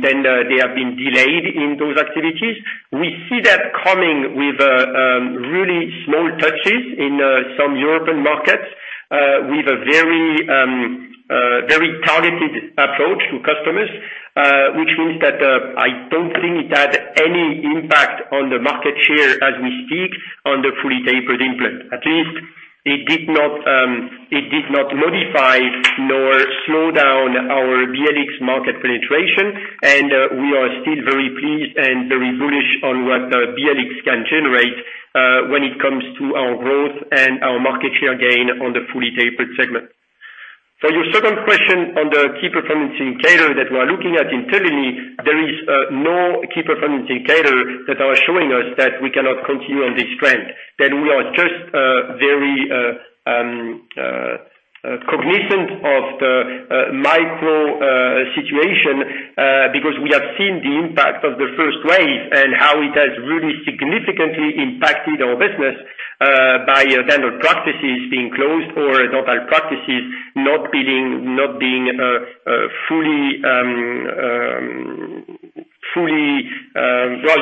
then they have been delayed in those activities. We see that coming with really small touches in some European markets, with a very targeted approach to customers, which means that I don't think it had any impact on the market share as we speak on the fully tapered implant. At least it did not modify nor slow down our BLX market penetration, and we are still very pleased and very bullish on what the BLX can generate, when it comes to our growth and our market share gain on the fully tapered segment. For your second question on the key performance indicator that we're looking at internally, there is no key performance indicator that are showing us that we cannot continue on this trend, that we are just very cognizant of the micro situation, because we have seen the impact of the first wave and how it has really significantly impacted our business by dental practices being closed or total practices not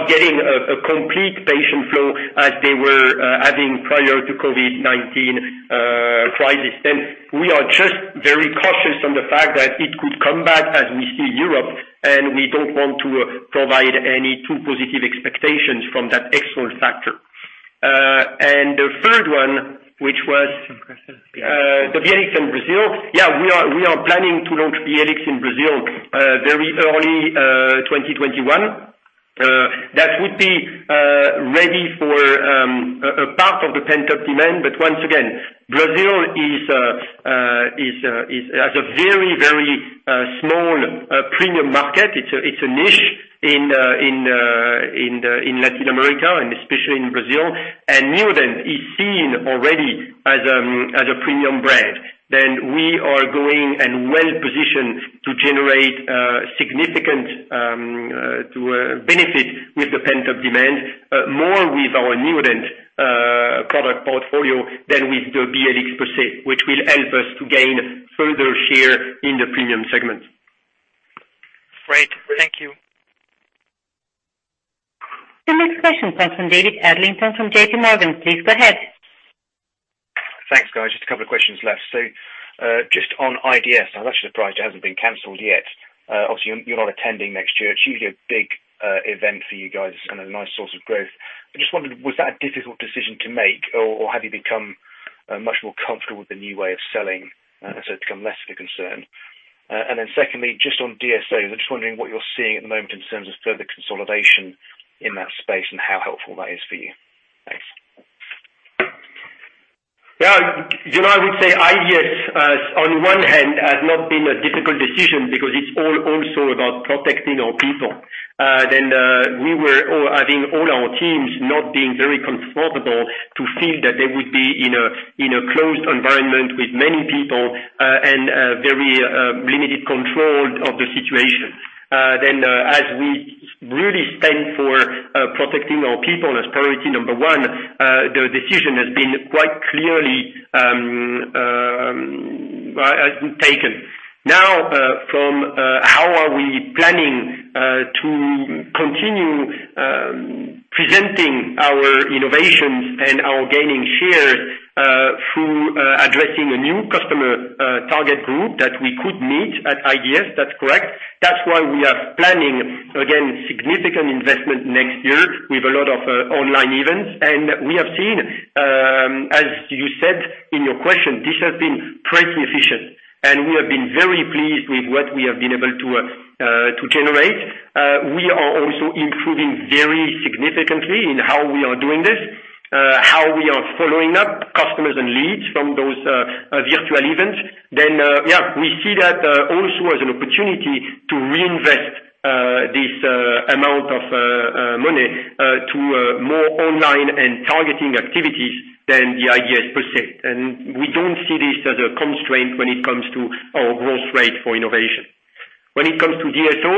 getting a complete patient flow as they were having prior to COVID-19 crisis. We are just very cautious on the fact that it could come back as we see Europe, and we don't want to provide any too positive expectations from that external factor. The third one, which was the BLX in Brazil. Yeah, we are planning to launch BLX in Brazil very early 2021. That would be ready for a part of the pent-up demand. Once again, Brazil has a very small premium market. It's a niche in Latin America and especially in Brazil. Neodent is seen already as a premium brand. We are going and well-positioned to generate significant benefit with the pent-up demand, more with our Neodent product portfolio than with the BLX per se, which will help us to gain further share in the premium segment. Great. Thank you. The next question comes from David Adlington from JPMorgan. Please go ahead. Thanks, guys. Just a couple of questions for us too. Just on IDS, I'm actually surprised it hasn't been canceled yet. Obviously, you're not attending next year. It's usually a big event for you guys and a nice source of growth. I just wondered, was that a difficult decision to make, or have you become much more comfortable with the new way of selling, so it's become less of a concern? Secondly, just on DSO, I'm just wondering what you're seeing at the moment in terms of further consolidation in that space and how helpful that is for you. Thanks. I would say IDS, on one hand, has not been a difficult decision because it's also about protecting our people. We were having all our teams not being very comfortable to feel that they would be in a closed environment with many people and very limited control of the situation. As we really stand for protecting our people as priority number one, the decision has been quite clearly taken. Now, from how are we planning to continue presenting our innovations and our gaining shares through addressing a new customer target group that we could meet at IDS, that's correct. That's why we are planning, again, significant investment next year with a lot of online events. We have seen, as you said in your question, this has been pretty efficient. We have been very pleased with what we have been able to generate. We are also improving very significantly in how we are doing this, how we are following up customers and leads from those virtual events. Yeah, we see that also as an opportunity to reinvest this amount of money to more online and targeting activities than the IDS per se. We don't see this as a constraint when it comes to our growth rate for innovation. When it comes to DSO,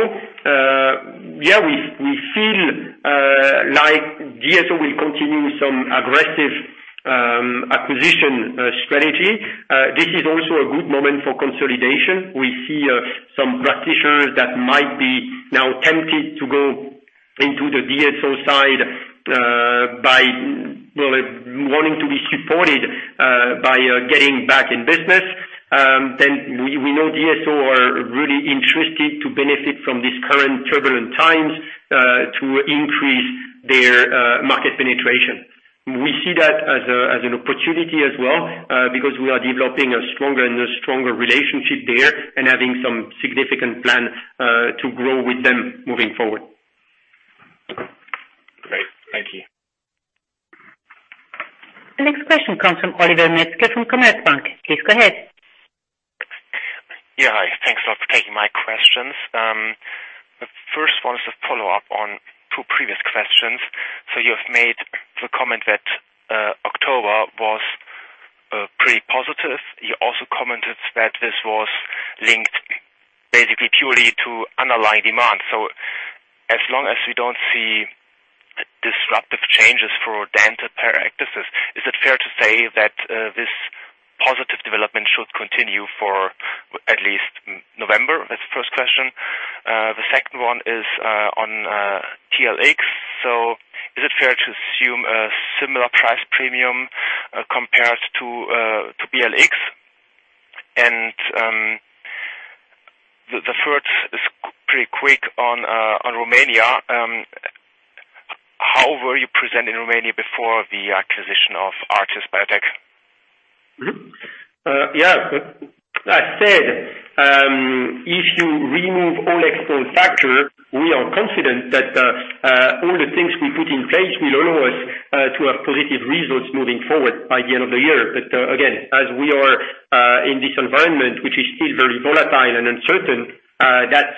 yeah, we feel like DSO will continue some aggressive acquisition strategy. This is also a good moment for consolidation. We see some practitioners that might be now tempted to go into the DSO side by wanting to be supported by getting back in business. We know DSO are really interested to benefit from these current turbulent times, to increase their market penetration. We see that as an opportunity as well, because we are developing a stronger and stronger relationship there and having some significant plans to grow with them moving forward. Great. Thank you. The next question comes from Oliver Metzger from Commerzbank. Please go ahead. Yeah. Hi, thanks a lot for taking my questions. The first one is a follow-up on two previous questions. You have made the comment that October was pretty positive. You also commented that this was linked basically purely to underlying demand. As long as we don't see disruptive changes for dental practices, is it fair to say that this positive development should continue for at least November? That's the first question. The second one is on TLX. Is it fair to assume a similar price premium compared to BLX? The third is pretty quick on Romania. How were you present in Romania before the acquisition of Artis Bio Tech? Yeah. I said, if you remove all external factors, we are confident that all the things we put in place will allow us to have positive results moving forward by the end of the year. Again, as we are in this environment, which is still very volatile and uncertain, that's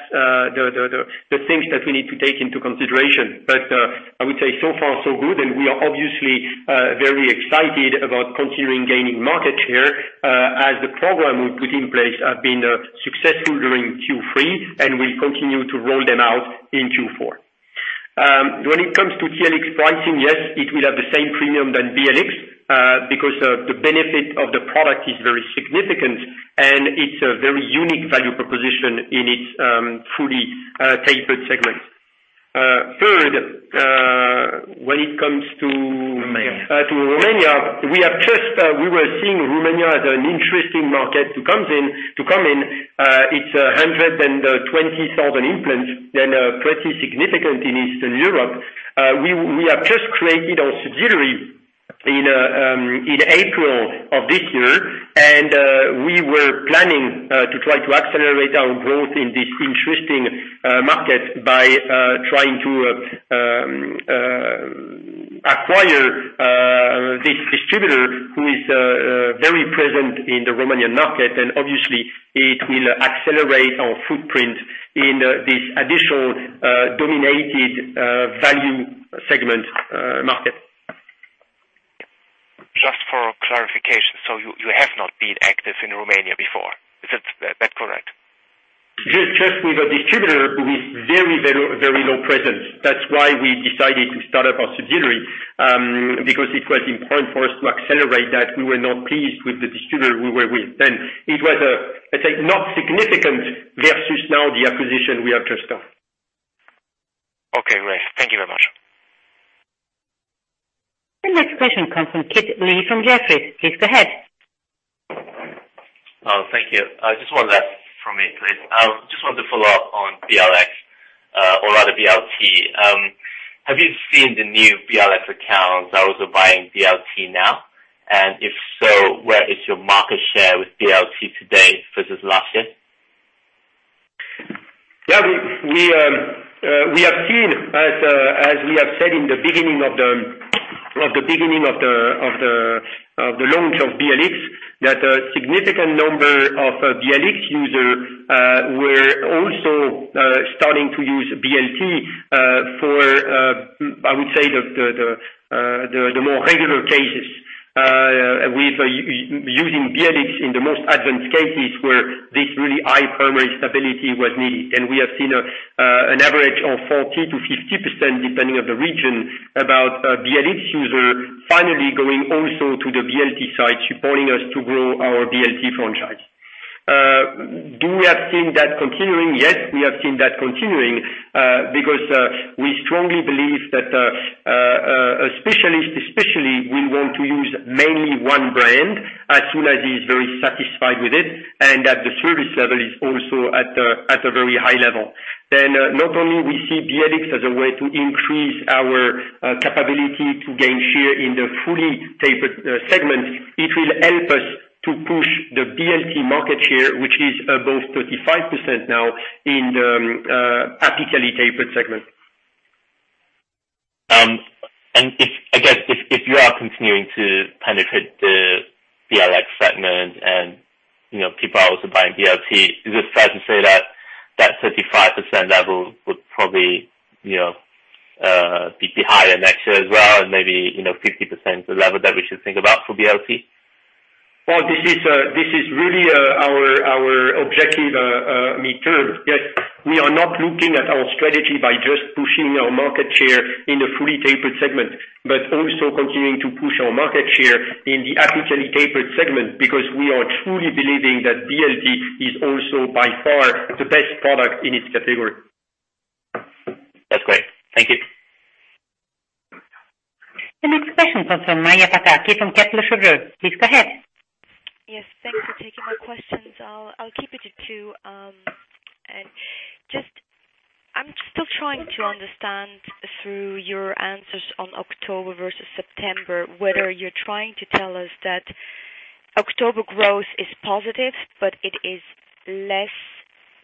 the things that we need to take into consideration. I would say so far so good. We are obviously very excited about continuing gaining market share, as the program we put in place have been successful during Q3, and we'll continue to roll them out in Q4. When it comes to TLX pricing, yes, it will have the same premium than BLX, because the benefit of the product is very significant, and it's a very unique value proposition in its fully tapered segment. Third, when it comes to- Romania. To Romania, we were seeing Romania as an interesting market to come in. It is 120,000 implants, and pretty significant in Eastern Europe. We have just created our subsidiary in April of this year, and we were planning to try to accelerate our growth in this interesting market by trying to acquire this distributor who is very present in the Romanian market, and obviously it will accelerate our footprint in this additional dominated value segment market. Just for clarification, so you have not been active in Romania before. Is that correct? Just with a distributor with very low presence. That's why we decided to start up our subsidiary, because it was important for us to accelerate that. We were not pleased with the distributor we were with. It was, I'd say, not significant versus now the acquisition we have just done. Okay. Great. Thank you very much. The next question comes from Kit Lee from Jefferies. Please go ahead. Oh, thank you. Just one left from me, please. Just wanted to follow up on BLX, or rather BLT. Have you seen the new BLX accounts that are also buying BLT now? If so, where is your market share with BLT today versus last year? Yeah, we have seen, as we have said in the beginning of the launch of BLX, that a significant number of BLX user were also starting to use BLT for, I would say, the more regular cases, with using BLX in the most advanced cases where this really high primary stability was needed. We have seen an average of 40%-50%, depending on the region, about BLX user finally going also to the BLT side, supporting us to grow our BLT franchise. Do we have seen that continuing? Yes, we have seen that continuing, because we strongly believe that a specialist especially will want to use mainly one brand as soon as he's very satisfied with it, and that the service level is also at a very high level. Not only we see BLX as a way to increase our capability to gain share in the fully tapered segment, it will help us to push the BLT market share, which is above 35% now in the apically tapered segment. I guess if you are continuing to penetrate the BLX segment and people are also buying BLT, is it fair to say that 35% level would probably be higher next year as well and maybe 50% the level that we should think about for BLT? Well, this is really our objective mid-term. We are not looking at our strategy by just pushing our market share in the fully tapered segment, but also continuing to push our market share in the apically tapered segment, because we are truly believing that BLT is also by far the best product in its category. That's great. Thank you. The next question comes from Maja Pataki from Kepler Cheuvreux. Please go ahead. Yes, thanks for taking my questions. I'll keep it at two. Just, I'm still trying to understand through your answers on October versus September, whether you're trying to tell us that October growth is positive, but it is less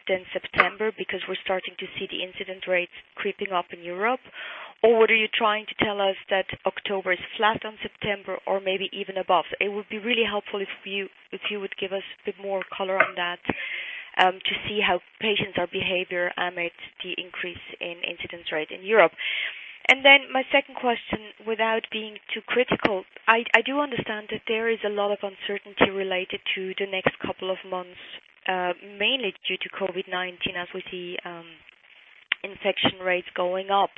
than September because we're starting to see the incidence rates creeping up in Europe. Are you trying to tell us that October is flat on September or maybe even above? It would be really helpful if you would give us a bit more color on that, to see how patients are behaving amid the increase in incidence rate in Europe. My second question, without being too critical, I do understand that there is a lot of uncertainty related to the next couple of months, mainly due to COVID-19 as we see infection rates going up.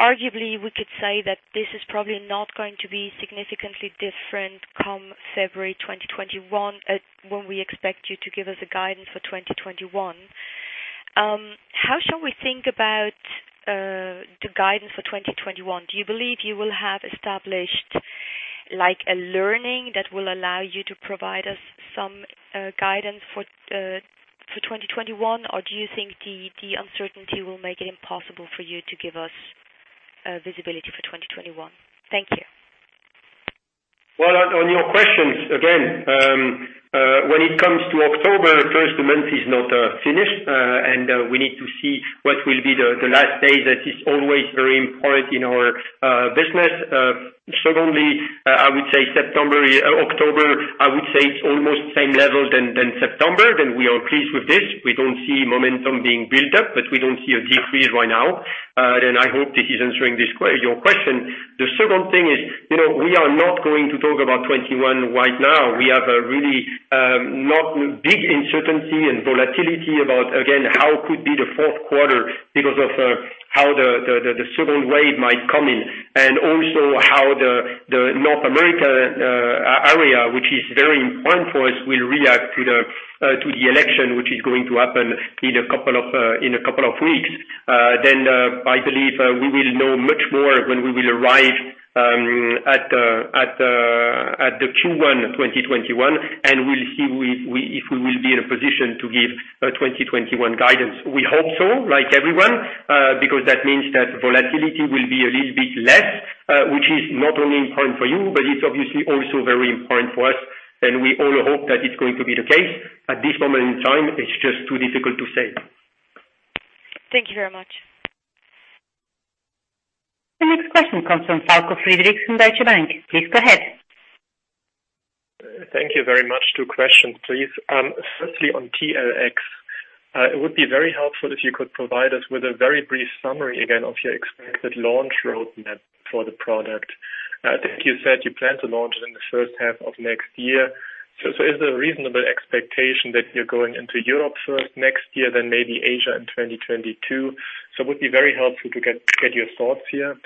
Arguably, we could say that this is probably not going to be significantly different come February 2021, when we expect you to give us a guidance for 2021. How shall we think about the guidance for 2021? Do you believe you will have established a learning that will allow you to provide us some guidance for 2021? Or do you think the uncertainty will make it impossible for you to give us visibility for 2021? Thank you. On your questions, again, when it comes to October, first the month is not finished, and we need to see what will be the last day that is always very important in our business. Secondly, I would say October, I would say it's almost same level than September. We are pleased with this. We don't see momentum being built up, but we don't see a decrease right now. I hope this is answering your question. The second thing is, we are not going to talk about 2021 right now. We have a really not big uncertainty and volatility about, again, how could be the fourth quarter because of how the second wave might come in. Also how the North America area, which is very important for us, will react to the election, which is going to happen in a couple of weeks. I believe, we will know much more when we will arrive at the Q1 2021, and we'll see if we will be in a position to give a 2021 guidance. We hope so, like everyone, because that means that volatility will be a little bit less, which is not only important for you, but it's obviously also very important for us. We all hope that it's going to be the case. At this moment in time, it's just too difficult to say. Thank you very much. The next question comes from Falko Friedrichs from Deutsche Bank. Please go ahead. Thank you very much. Two questions, please. Firstly on TLX. It would be very helpful if you could provide us with a very brief summary again of your expected launch roadmap for the product. I think you said you plan to launch it in the first half of next year. Is there a reasonable expectation that you're going into Europe first next year, then maybe Asia in 2022? It would be very helpful to get your thoughts here.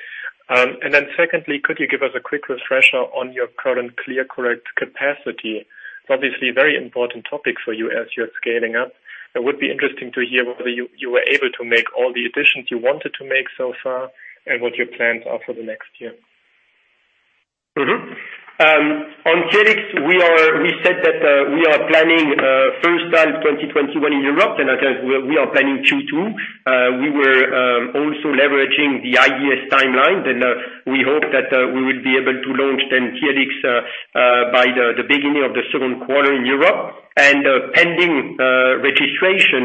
Secondly, could you give us a quick refresher on your current ClearCorrect capacity? It's obviously a very important topic for you as you're scaling up. It would be interesting to hear whether you were able to make all the additions you wanted to make so far and what your plans are for the next year. On TLX, we said that we are planning first half 2021 in Europe, I think we are planning Q2. We were also leveraging the IDS timeline, we hope that we will be able to launch then TLX by the beginning of the second quarter in Europe. Pending registration,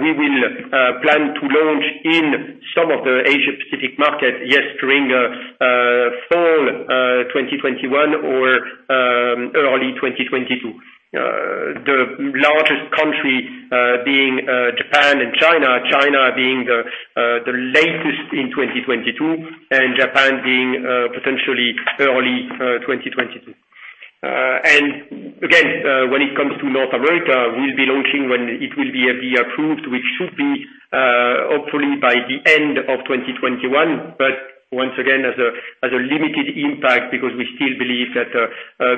we will plan to launch in some of the Asia Pacific markets, yes, during fall 2021 or early 2022. The largest country being Japan and China. China being the latest in 2022 and Japan being potentially early 2022. Again, when it comes to North America, we'll be launching when it will be FDA approved, which should be hopefully by the end of 2021. Once again, as a limited impact because we still believe that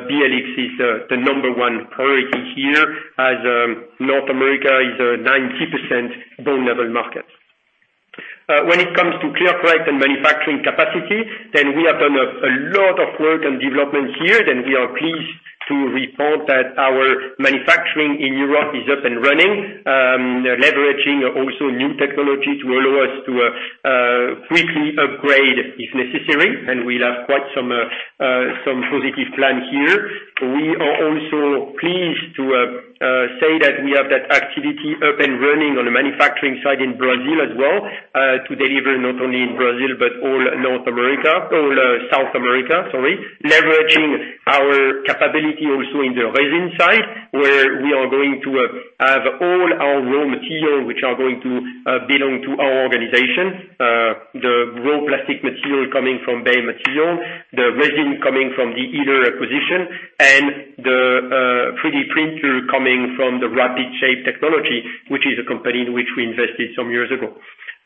BLX is the number one priority here as North America is a 90% bone level market. When it comes to ClearCorrect and manufacturing capacity, we have done a lot of work and developments here. We are pleased to report that our manufacturing in Europe is up and running, leveraging also new technology to allow us to quickly upgrade if necessary, and we'll have quite some positive plan here. We are also pleased to say that we have that activity up and running on the manufacturing side in Brazil as well, to deliver not only in Brazil but all North America, all South America, sorry. Leveraging our capability also in the resin side, where we are going to have all our raw material, which are going to belong to our organizations. The raw plastic material coming from Bay Materials, the resin coming from the [Detalmed] acquisition, and the 3D printer coming from the Rapid Shape technology, which is a company in which we invested some years ago.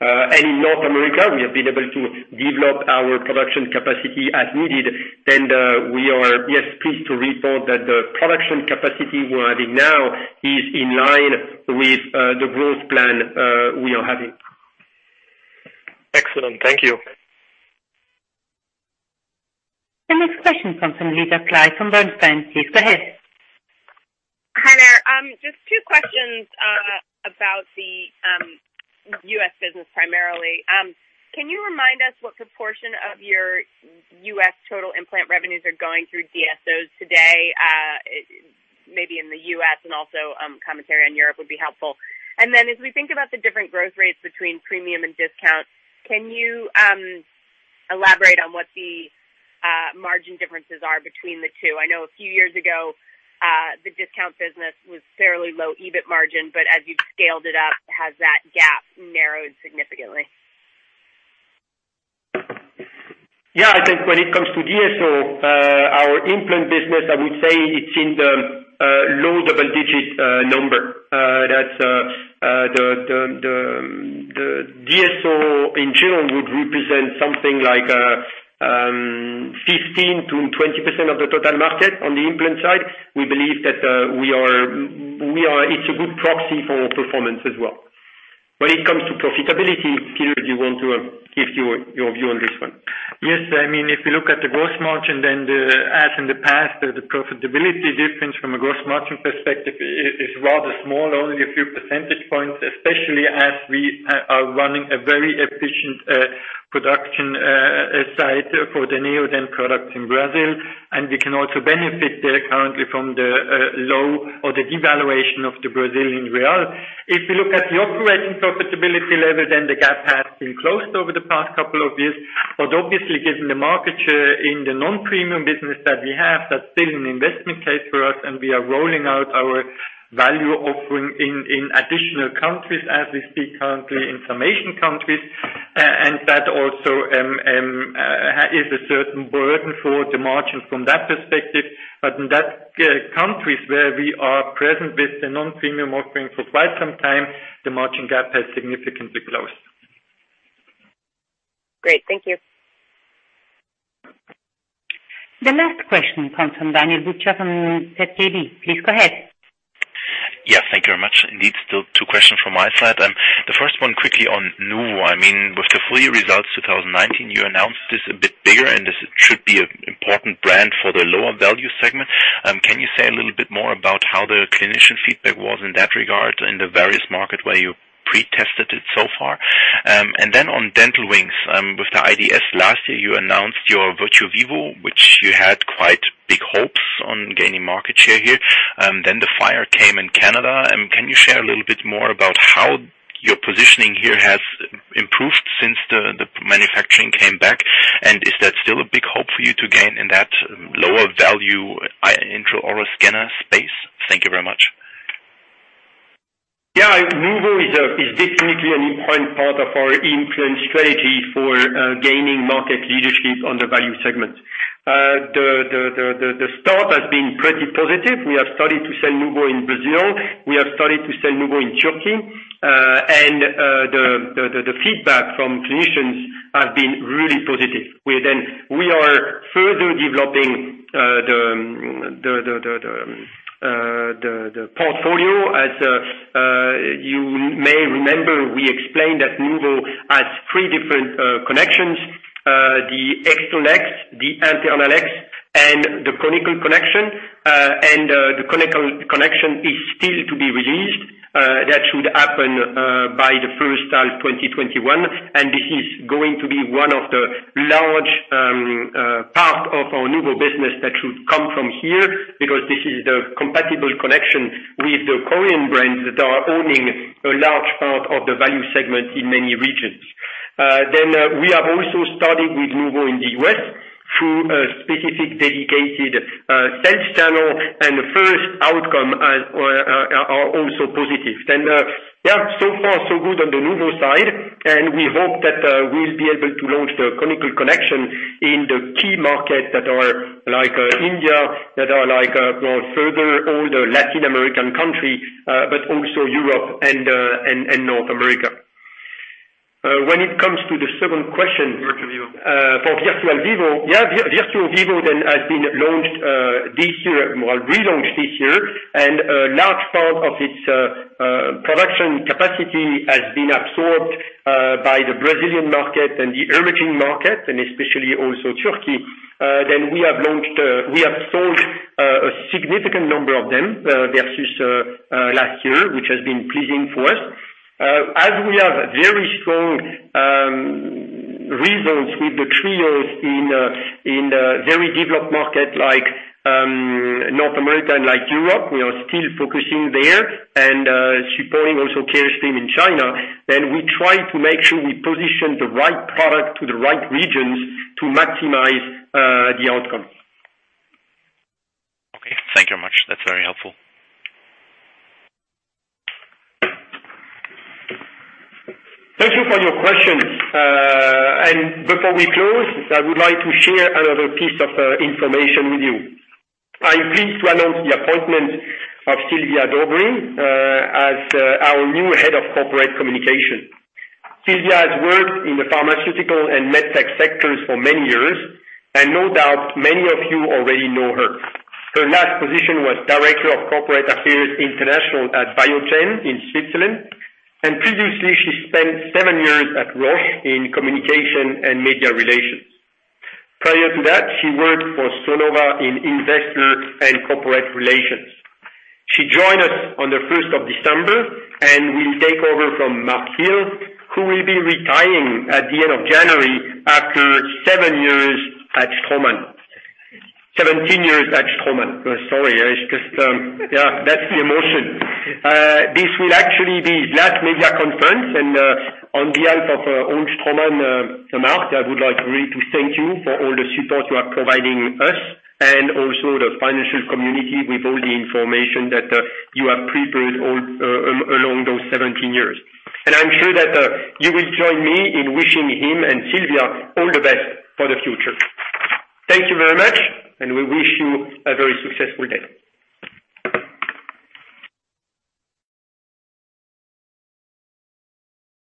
In North America, we have been able to develop our production capacity as needed. We are, yes, pleased to report that the production capacity we're having now is in line with the growth plan we are having. Excellent. Thank you. The next question comes from Lisa Clive from Bernstein. Please go ahead. Hi there. Just two questions about the U.S. business primarily. Can you remind us what proportion of your U.S. total implant revenues are going through DSOs today? Maybe in the U.S. and also commentary on Europe would be helpful. Then as we think about the different growth rates between premium and discount, can you elaborate on what the margin differences are between the two? I know a few years ago, the discount business was fairly low EBIT margin, but as you've scaled it up, has that gap narrowed significantly? Yeah, I think when it comes to DSO, our implant business, I would say it's in the low double-digit number. That's the DSO in general would represent something like 15% to 20% of the total market on the implant side. We believe that it's a good proxy for performance as well. When it comes to profitability, Peter, do you want to give your view on this one? Yes. If we look at the gross margin, then as in the past, the profitability difference from a gross margin perspective is rather small, only a few percentage points, especially as we are running a very efficient production site for the Neodent product in Brazil. We can also benefit currently from the low or the devaluation of the Brazilian real. If you look at the operating profitability level, the gap has been closed over the past couple of years. Obviously given the market share in the non-premium business that we have, that's still an investment case for us, and we are rolling out our value offering in additional countries as we speak currently in some Asian countries. That also is a certain burden for the margin from that perspective. In those countries where we are present with the non-premium offering for quite some time, the margin gap has significantly closed. Great. Thank you. The last question comes from Daniel Buchta from FTB. Please go ahead. Yeah, thank you very much indeed. Still two questions from my side. The first one quickly on NUVO. With the full year results 2019, you announced this a bit bigger, and this should be an important brand for the lower value segment. Can you say a little bit more about how the clinician feedback was in that regard in the various market where you pre-tested it so far? Then on Dental Wings, with the IDS last year, you announced your Virtuo Vivo, which you had quite big hopes on gaining market share here. The fire came in Canada. Can you share a little bit more about how your positioning here has improved since the manufacturing came back? Is that still a big hope for you to gain in that lower value intraoral scanner space? Thank you very much. Yeah. NUVO is definitely an important part of our implant strategy for gaining market leadership on the value segment. The start has been pretty positive. We have started to sell NUVO in Brazil. We have started to sell NUVO in Turkey. The feedback from clinicians has been really positive. We are further developing the portfolio. As you may remember, we explained that NUVO has three different connections, the external hex, the internal hex, and the conical connection. The conical connection is still to be released. That should happen by the first half 2021, and this is going to be one of the large part of our NUVO business that should come from here, because this is the compatible connection with the Korean brands that are owning a large part of the value segment in many regions. We have also started with NUVO in the U.S. through a specific dedicated sales channel, and the first outcome are also positive. Yeah, so far so good on the NUVO side, and we hope that we'll be able to launch the conical connection in the key markets that are like India, that are like more further all the Latin American country, but also Europe and North America. When it comes to the second question. For Virtuo Vivo, yeah, Virtuo Vivo has been relaunched this year, and a large part of its production capacity has been absorbed by the Brazilian market and the emerging market, and especially also Turkey. We have sold a significant number of them versus last year, which has been pleasing for us. As we have very strong results with the TRIOS in very developed markets like North America and Europe, we are still focusing there and supporting also Carestream in China. We try to make sure we position the right product to the right regions to maximize the outcome. Okay. Thank you much. That's very helpful. Thank you for your question. Before we close, I would like to share another piece of information with you. I'm pleased to announce the appointment of Silvia Dobry as our new Head of Corporate Communication. Silvia has worked in the pharmaceutical and MedTech sectors for many years, and no doubt many of you already know her. Her last position was director of corporate affairs international at Biogen in Switzerland, and previously she spent seven years at Roche in communication and media relations. Prior to that, she worked for Sonova in investor and corporate relations. She joined us on the 1st of December and will take over from Mark Hill, who will be retiring at the end of January after seven years at Straumann. 17 years at Straumann. Sorry. Yeah, that's the emotion. This will actually be his last media conference, and on behalf of all Straumann, Mark, I would like really to thank you for all the support you are providing us and also the financial community with all the information that you have prepared along those 17 years. I'm sure that you will join me in wishing him and Silvia all the best for the future. Thank you very much, and we wish you a very successful day.